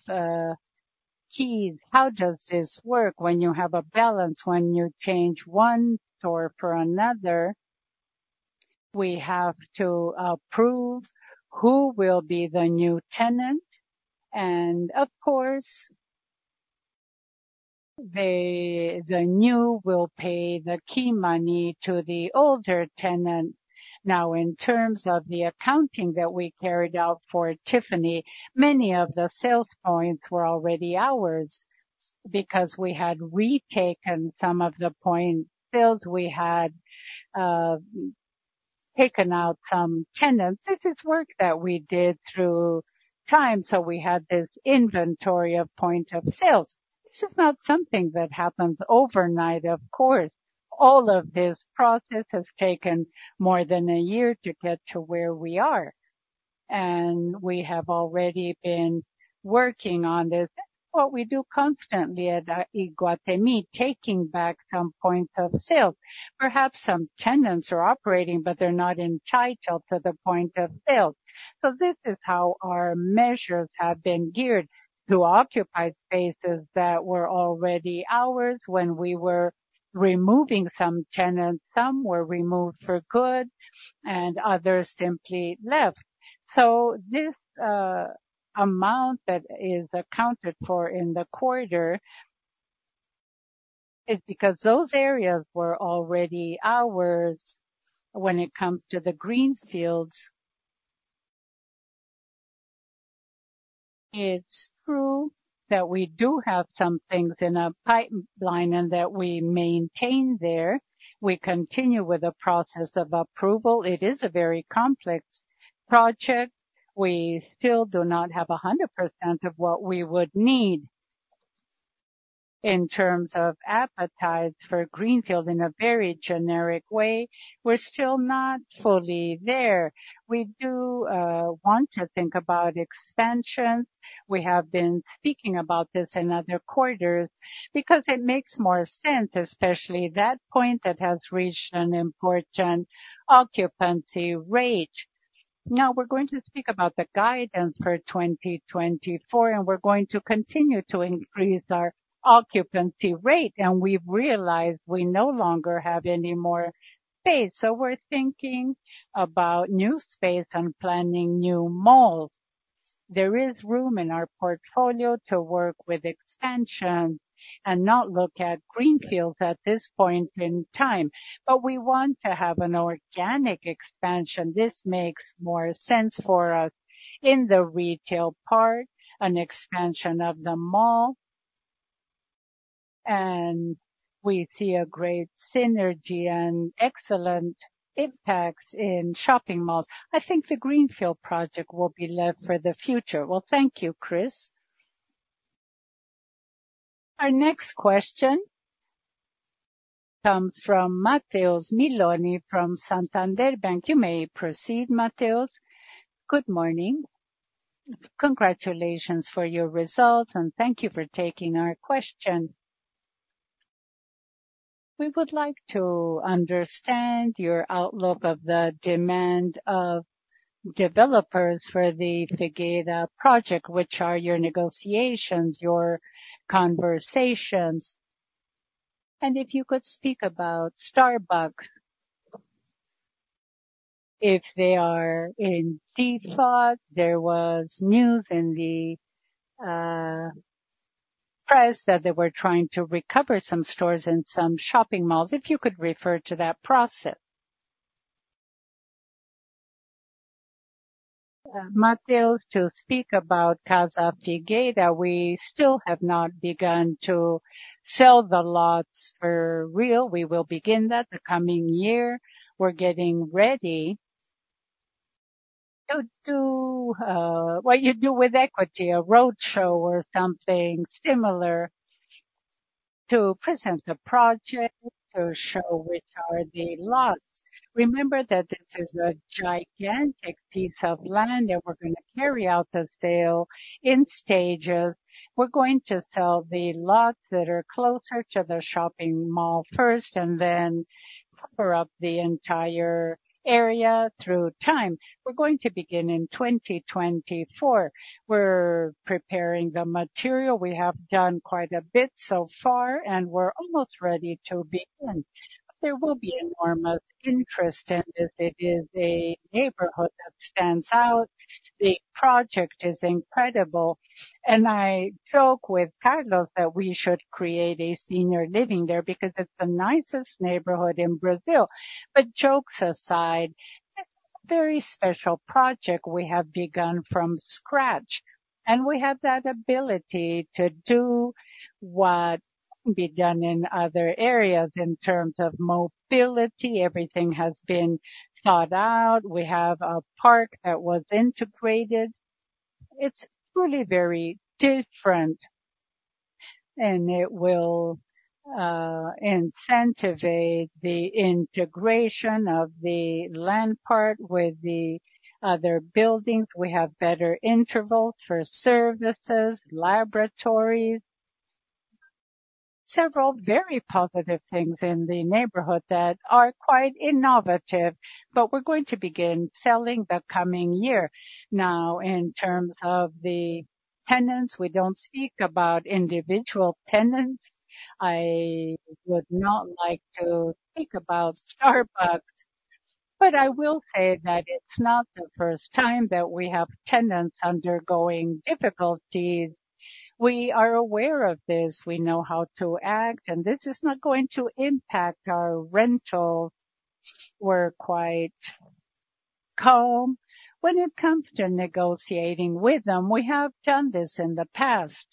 keys, how does this work when you have a balance, when you change one store for another? We have to approve who will be the new tenant, and of course, the new will pay the key money to the older tenant. Now, in terms of the accounting that we carried out for Tiffany, many of the sales points were already ours, because we had retaken some of the point sales. We had taken out some tenants. This is work that we did through time, so we had this inventory of point of sales. This is not something that happens overnight, of course. All of this process has taken more than a year to get to where we are, and we have already been working on this. What we do constantly at Iguatemi, taking back some points of sales. Perhaps some tenants are operating, but they're not entitled to the point of sales. So this is how our measures have been geared to occupy spaces that were already ours when we were removing some tenants. Some were removed for good and others simply left. So this amount that is accounted for in the quarter is because those areas were already ours. When it comes to the greenfields, it's true that we do have some things in a pipeline and that we maintain there. We continue with the process of approval. It is a very complex project. We still do not have 100% of what we would need in terms of appetite for greenfield in a very generic way. We're still not fully there. We do want to think about expansion. We have been speaking about this in other quarters because it makes more sense, especially that point that has reached an important occupancy rate. Now, we're going to speak about the guidance for 2024, and we're going to continue to increase our occupancy rate, and we've realized we no longer have any more space. So we're thinking about new space and planning new malls. There is room in our portfolio to work with expansion and not look at greenfields at this point in time. But we want to have an organic expansion. This makes more sense for us in the retail part, an expansion of the mall, and we see a great synergy and excellent impact in shopping malls. I think the greenfield project will be left for the future. Well, thank you, Chris. Our next question comes from Matheus Meloni, from Santander Bank. You may proceed, Mateus. Good morning. Congratulations for your results, and thank you for taking our question. We would like to understand your outlook of the demand of developers for the Figueira project, which are your negotiations, your conversations, and if you could speak about Starbucks, if they are in default. There was news in the press that they were trying to recover some stores in some shopping malls, if you could refer to that process. Mateus, to speak about Casa Figueira, we still have not begun to sell the lots for real. We will begin in the coming year. We're getting ready to do what you do with equity, a roadshow or something similar, to present the project, to show which are the lots. Remember that this is a gigantic piece of land, and we're gonna carry out the sale in stages. We're going to sell the lots that are closer to the shopping mall first and then cover up the entire area through time. We're going to begin in 2024. We're preparing the material. We have done quite a bit so far, and we're almost ready to begin. There will be enormous interest in this. It is a neighborhood that stands out. The project is incredible, and I joke with Carlos that we should create a senior living there because it's the nicest neighborhood in Brazil. But jokes aside, it's a very special project we have begun from scratch, and we have that ability to do what be done in other areas in terms of mobility. Everything has been thought out. We have a park that was integrated. It's truly very different, and it will incentivize the integration of the land part with the other buildings. We have better intervals for services, laboratories. Several very positive things in the neighborhood that are quite innovative, but we're going to begin selling the coming year. Now, in terms of the tenants, we don't speak about individual tenants. I would not like to speak about Starbucks, but I will say that it's not the first time that we have tenants undergoing difficulties. We are aware of this. We know how to act, and this is not going to impact our rental. We're quite calm when it comes to negotiating with them. We have done this in the past.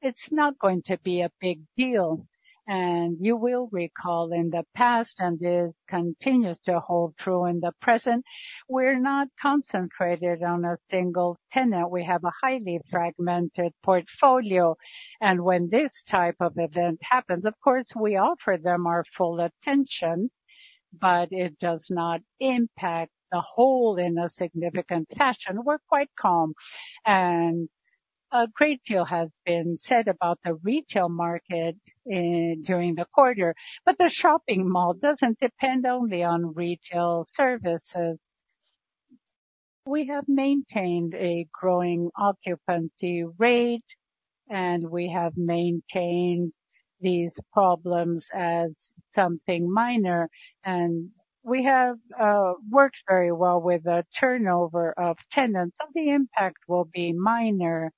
It's not going to be a big deal. And you will recall in the past, and this continues to hold true in the present, we're not concentrated on a single tenant. We have a highly fragmented portfolio, and when this type of event happens, of course, we offer them our full attention, but it does not impact the whole in a significant fashion. We're quite calm, and a great deal has been said about the retail market during the quarter, but the shopping mall doesn't depend only on retail services. We have maintained a growing occupancy rate, and we have maintained these problems as something minor, and we have worked very well with the turnover of tenants, so the impact will be minor.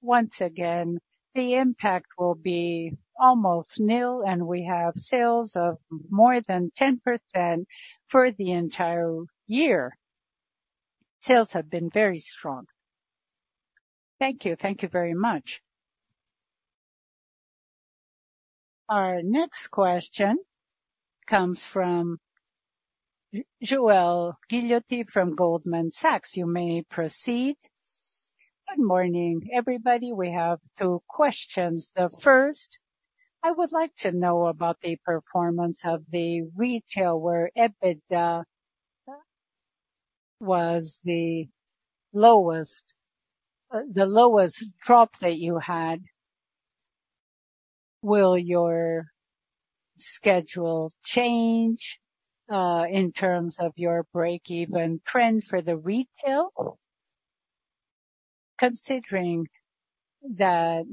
Once again, the impact will be almost nil, and we have sales of more than 10% for the entire year. Sales have been very strong. Thank you. Thank you very much. Our next question comes from [Joelle Guilloti] from Goldman Sachs. You may proceed. Good morning, everybody. We have two questions. The first, I would like to know about the performance of the retail, where EBITDA was the lowest, the lowest drop that you had. Will your schedule change, in terms of your break-even trend for the retail? Considering that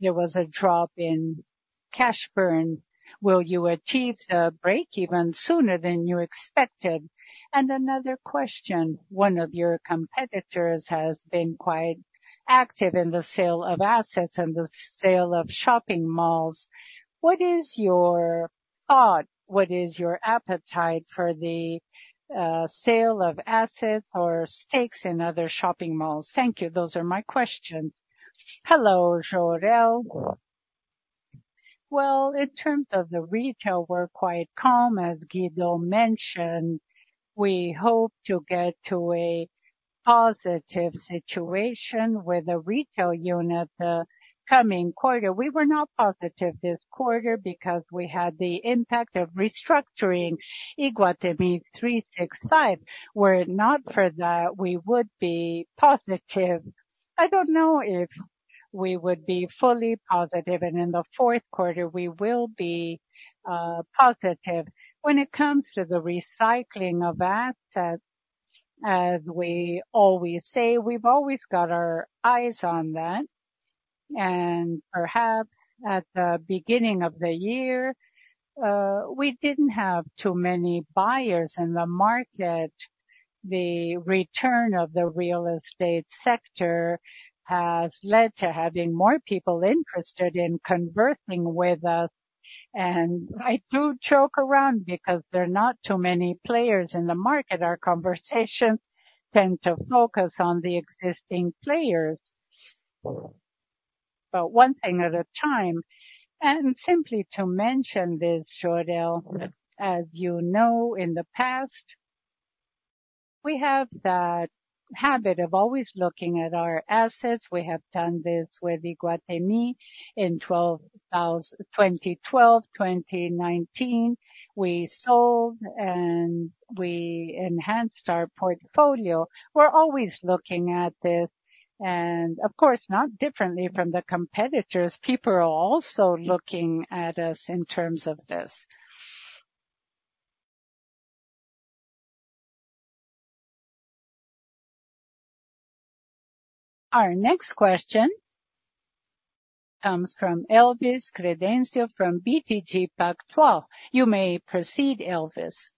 there was a drop in cash burn, will you achieve the break even sooner than you expected? And another question, one of your competitors has been quite active in the sale of assets and the sale of shopping malls. What is your thought? What is your appetite for the sale of assets or stakes in other shopping malls? Thank you. Those are my questions. Hello, Joelle. Well, in terms of the retail, we're quite calm, as Guido mentioned. We hope to get to a positive situation with the retail unit the coming quarter. We were not positive this quarter because we had the impact of restructuring Iguatemi 365. Were it not for that, we would be positive. I don't know if we would be fully positive, and in the fourth quarter we will be positive. When it comes to the recycling of assets, as we always say, we've always got our eyes on that. Perhaps at the beginning of the year, we didn't have too many buyers in the market. The return of the real estate sector has led to having more people interested in conversing with us. I do joke around because there are not too many players in the market. Our conversations tend to focus on the existing players. One thing at a time, and simply to mention this, Joelle, as you know, in the past, we have that habit of always looking at our assets. We have done this with Iguatemi in 2012, 2019. We sold and we enhanced our portfolio. We're always looking at this, and of course, not differently from the competitors. People are also looking at us in terms of this. Our next question comes from Elvis Credendio from BTG Pactual. You may proceed, Elvis.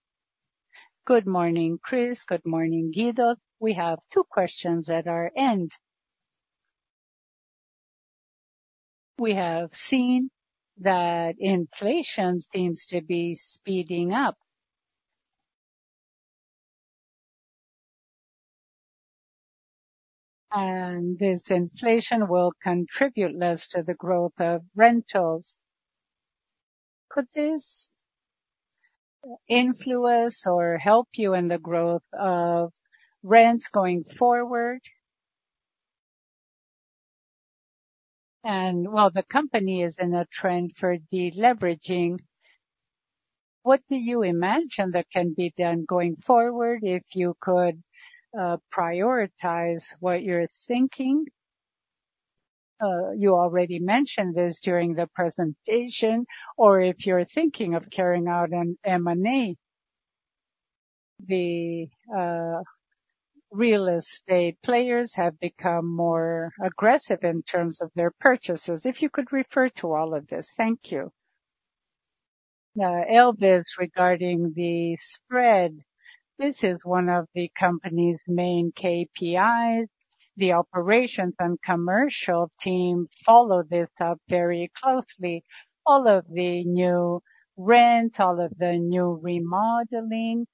Good morning, Chris. Good morning, Guido. We have two questions at our end. We have seen that inflation seems to be speeding up. This inflation will contribute less to the growth of rentals. Could this influence or help you in the growth of rents going forward? While the company is in a trend for deleveraging... What do you imagine that can be done going forward, if you could, prioritize what you're thinking? You already mentioned this during the presentation, or if you're thinking of carrying out an M&A. The real estate players have become more aggressive in terms of their purchases. If you could refer to all of this. Thank you. Elvis, regarding the spread, this is one of the company's main KPIs. The operations and commercial team follow this up very closely. All of the new rent, all of the new remodeling,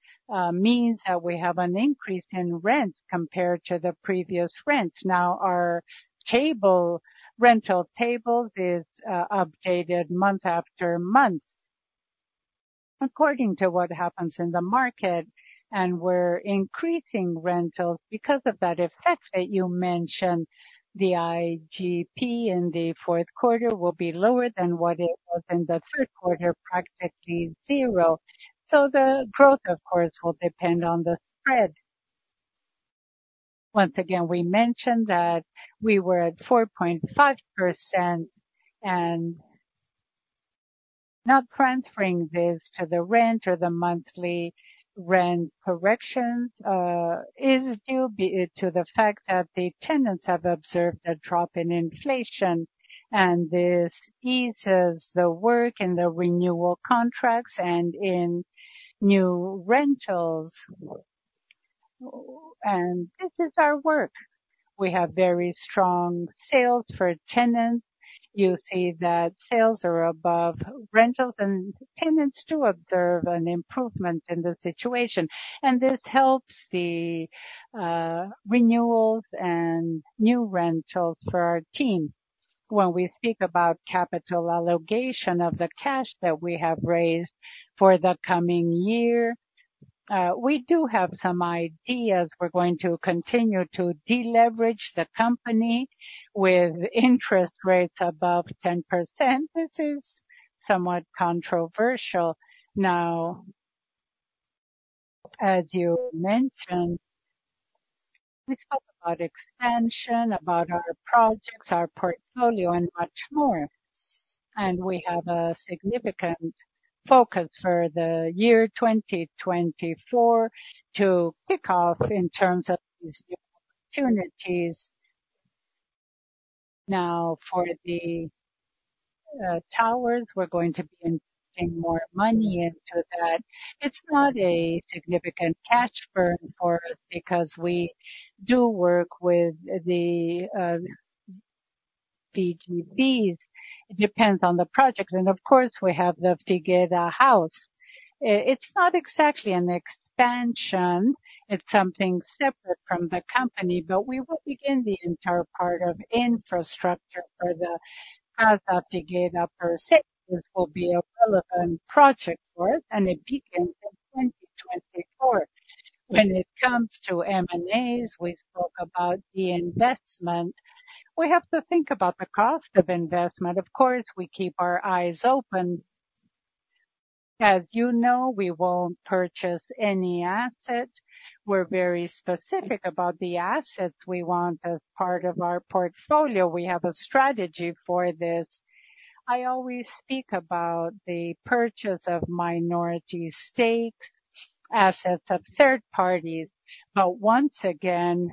means that we have an increase in rent compared to the previous rent. Now, our rental tables are updated month after month according to what happens in the market, and we're increasing rentals because of that effect that you mentioned. The IGP in the fourth quarter will be lower than what it was in the third quarter, practically zero. So the growth, of course, will depend on the spread. Once again, we mentioned that we were at 4.5%, and not transferring this to the rent or the monthly rent corrections is due to the fact that the tenants have observed a drop in inflation, and this eases the work and the renewal contracts and in new rentals. And this is our work. We have very strong sales for tenants. You see that sales are above rentals, and tenants do observe an improvement in the situation, and this helps the renewals and new rentals for our team. When we speak about capital allocation of the cash that we have raised for the coming year, we do have some ideas. We're going to continue to deleverage the company with interest rates above 10%. This is somewhat controversial. Now, as you mentioned, we talked about expansion, about our projects, our portfolio, and much more. And we have a significant focus for the year 2024 to kick off in terms of these new opportunities. Now, for the towers, we're going to be investing more money into that. It's not a significant cash burn for us because we do work with the PGPs. It depends on the project, and of course, we have the Casa Figueira. It's not exactly an expansion, it's something separate from the company, but we will begin the entire part of infrastructure for the Casa Figueira per se. This will be a relevant project for us, and it begins in 2024. When it comes to M&As, we spoke about the investment. We have to think about the cost of investment. Of course, we keep our eyes open. As you know, we won't purchase any asset. We're very specific about the assets we want as part of our portfolio. We have a strategy for this. I always speak about the purchase of minority stake, assets of third parties. But once again,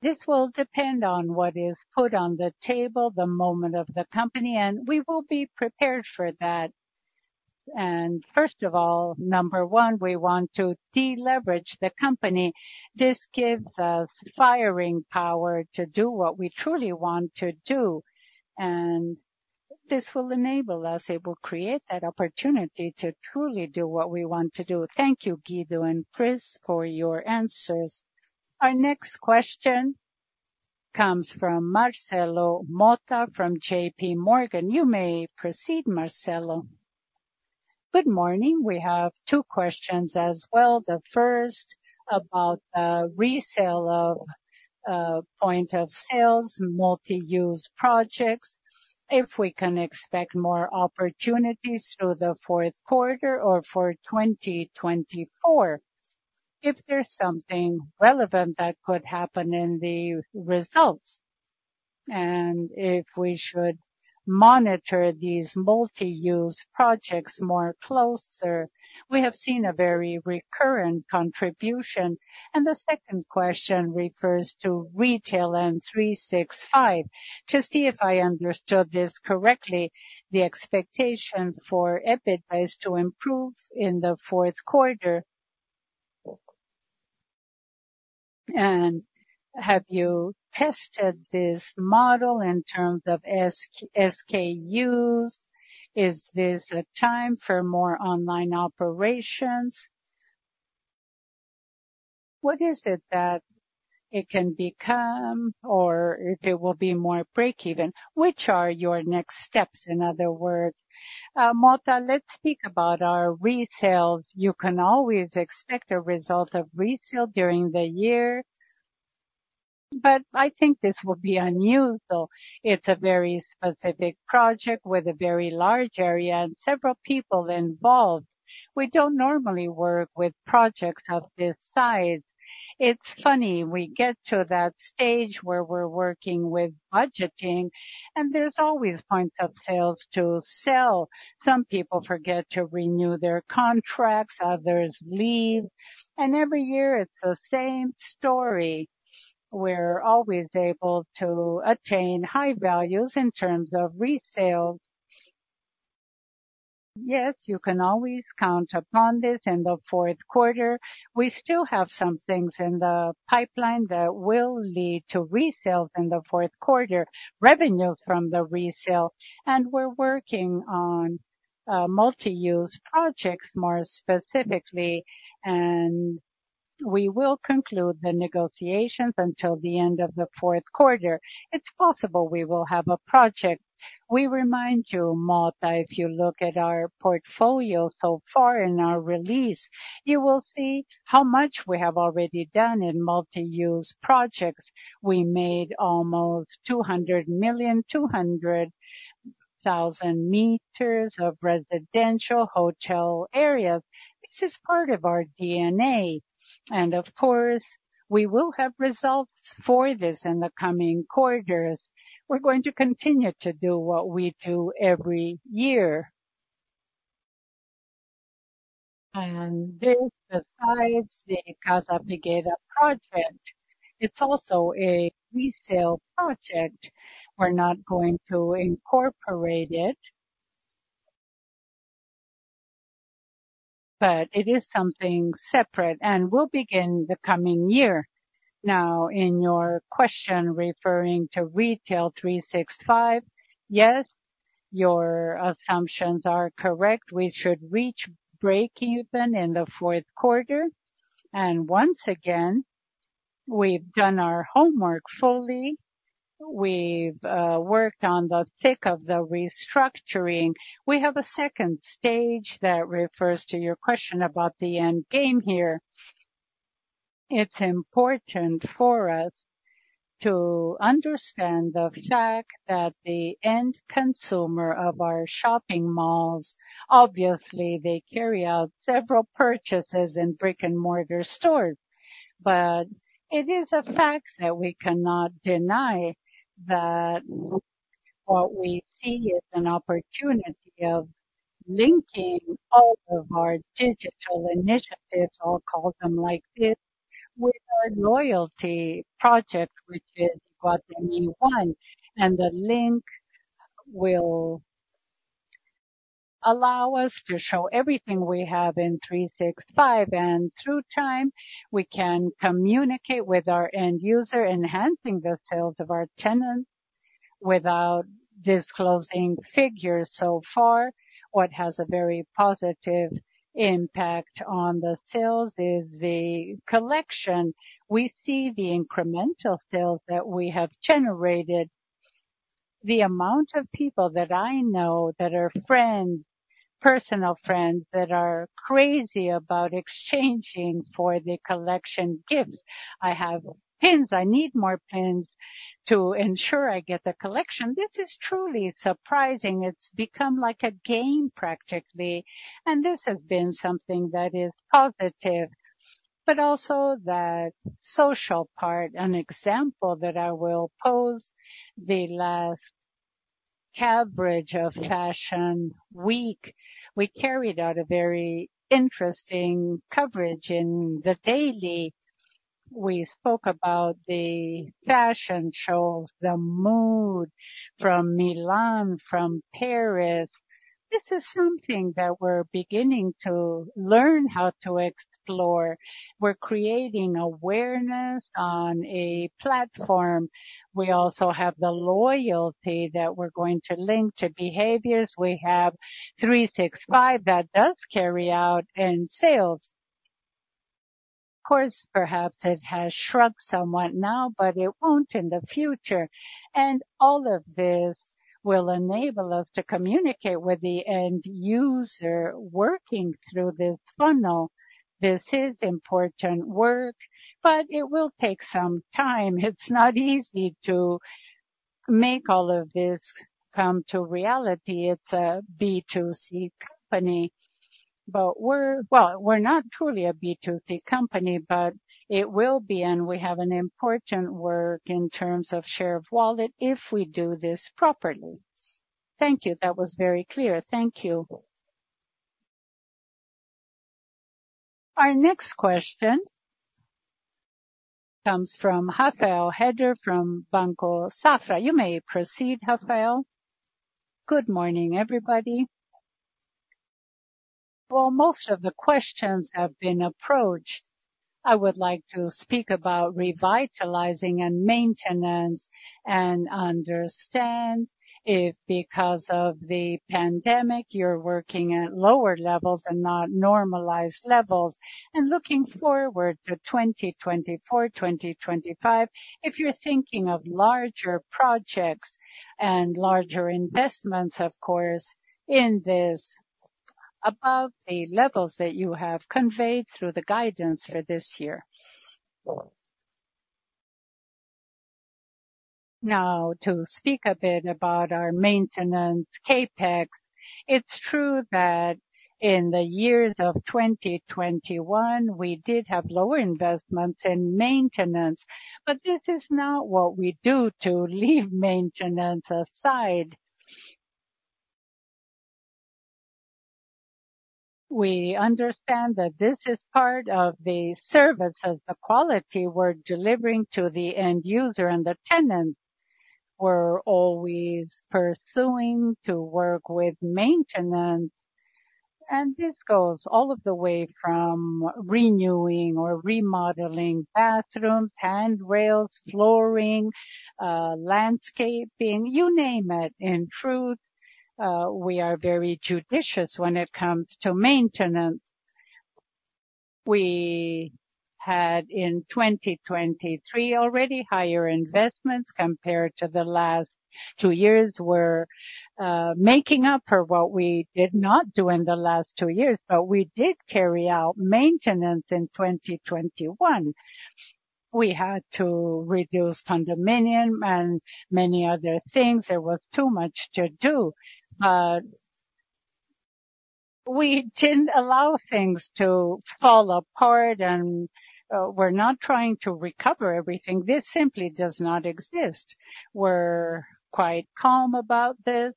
this will depend on what is put on the table, the moment of the company, and we will be prepared for that. And first of all, number one, we want to deleverage the company. This gives us firing power to do what we truly want to do, and this will enable us. It will create that opportunity to truly do what we want to do. Thank you, Guido and Chris, for your answers. Our next question comes from Marcelo Motta from JPMorgan. You may proceed, Marcelo. Good morning. We have two questions as well. The first, about the resale of, point of sales, multi-use projects, if we can expect more opportunities through the fourth quarter or for 2024, if there's something relevant that could happen in the results, and if we should monitor these multi-use projects more closer. We have seen a very recurrent contribution. The second question refers to retail and three six five. Just see if I understood this correctly, the expectation for EBITDA is to improve in the fourth quarter. Have you tested this model in terms of SKUs? Is this a time for more online operations? What is it that it can become or if it will be more break even? Which are your next steps, in other words? Motta, let's speak about our retail. You can always expect a result of retail during the year. But I think this will be unusual. It's a very specific project with a very large area and several people involved. We don't normally work with projects of this size. It's funny, we get to that stage where we're working with budgeting, and there's always points of sales to sell. Some people forget to renew their contracts, others leave, and every year it's the same story. We're always able to attain high values in terms of resales. Yes, you can always count upon this in the fourth quarter. We still have some things in the pipeline that will lead to resales in the fourth quarter, revenue from the resale, and we're working on multi-use projects more specifically, and we will conclude the negotiations until the end of the fourth quarter. It's possible we will have a project. We remind you, Motta, if you look at our portfolio so far in our release, you will see how much we have already done in multi-use projects. We made almost 200 million, 200 thousand meters of residential hotel areas. This is part of our DNA, and of course, we will have results for this in the coming quarters. We're going to continue to do what we do every year. And this, besides the Casa Figueira project, it's also a resale project. We're not going to incorporate it. But it is something separate, and we'll begin the coming year. Now, in your question, referring to Iguatemi 365, yes, your assumptions are correct. We should reach breakeven in the fourth quarter. And once again, we've done our homework fully. We've worked on the thick of the restructuring. We have a second stage that refers to your question about the end game here. It's important for us to understand the fact that the end consumer of our shopping malls, obviously, they carry out several purchases in brick-and-mortar stores. But it is a fact that we cannot deny that what we see is an opportunity of linking all of our digital initiatives, I'll call them like this, with our loyalty project, which is Iguatemi ONE. And the link will allow us to show everything we have in 365, and through time, we can communicate with our end user, enhancing the sales of our tenants. Without disclosing figures so far, what has a very positive impact on the sales is the collection. We see the incremental sales that we have generated, the amount of people that I know that are friends, personal friends, that are crazy about exchanging for the collection gifts. I have pins. I need more pins to ensure I get the collection. This is truly surprising. It's become like a game, practically, and this has been something that is positive, but also the social part. An example that I will pose, the last coverage of Fashion Week, we carried out a very interesting coverage in the daily. We spoke about the fashion shows, the mood from Milan, from Paris. This is something that we're beginning to learn how to explore. We're creating awareness on a platform. We also have the loyalty that we're going to link to behaviors. We have 365 that does carry out in sales. Of course, perhaps it has shrunk somewhat now, but it won't in the future. And all of this will enable us to communicate with the end user working through this funnel. This is important work, but it will take some time. It's not easy to make all of this come to reality. It's a B2C company, but we're—well, we're not truly a B2C company, but it will be, and we have an important work in terms of share of wallet if we do this properly. Thank you. That was very clear. Thank you. Our next question comes from Rafael Rehder from Banco Safra. You may proceed, Rafael. Good morning, everybody. Well, most of the questions have been approached. I would like to speak about revitalizing and maintenance and understand if because of the pandemic, you're working at lower levels and not normalized levels, and looking forward to 2024, 2025, if you're thinking of larger projects and larger investments, of course, in this?... above the levels that you have conveyed through the guidance for this year. Now, to speak a bit about our maintenance CapEx, it's true that in the years of 2021, we did have lower investments in maintenance, but this is not what we do to leave maintenance aside. We understand that this is part of the service as the quality we're delivering to the end user and the tenant. We're always pursuing to work with maintenance, and this goes all of the way from renewing or remodeling bathrooms, handrails, flooring, landscaping, you name it. In truth, we are very judicious when it comes to maintenance. We had, in 2023, already higher investments compared to the last two years. We're making up for what we did not do in the last two years, but we did carry out maintenance in 2021. We had to reduce condominium and many other things. There was too much to do. We didn't allow things to fall apart, and we're not trying to recover everything. This simply does not exist. We're quite calm about this,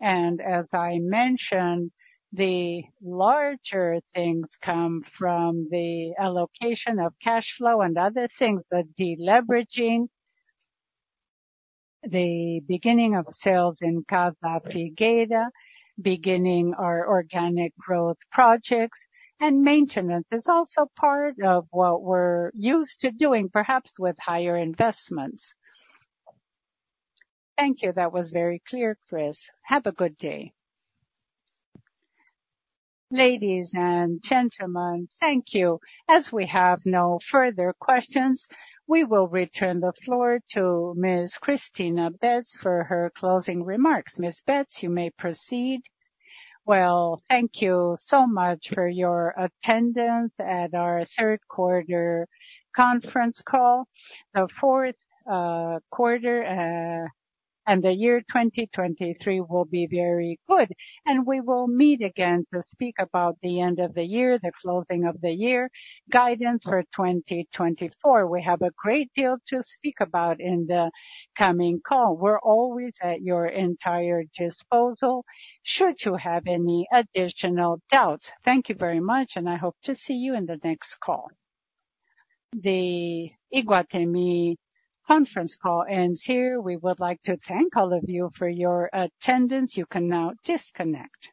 and as I mentioned, the larger things come from the allocation of cash flow and other things, the deleveraging, the beginning of sales in Casa Figueira, beginning our organic growth projects, and maintenance is also part of what we're used to doing, perhaps with higher investments. Thank you. That was very clear, Chris. Have a good day. Ladies and gentlemen, thank you. As we have no further questions, we will return the floor to Ms. Cristina Betts for her closing remarks. Ms. Betts, you may proceed. Well, thank you so much for your attendance at our third quarter conference call. The fourth quarter and the year 2023 \will be very good, and we will meet again to speak about the end of the year, the closing of the year, guidance for 2024. We have a great deal to speak about in the coming call. We're always at your entire disposal should you have any additional doubts. Thank you very much, and I hope to see you in the next call. The Iguatemi conference call ends here. We would like to thank all of you for your attendance. You can now disconnect.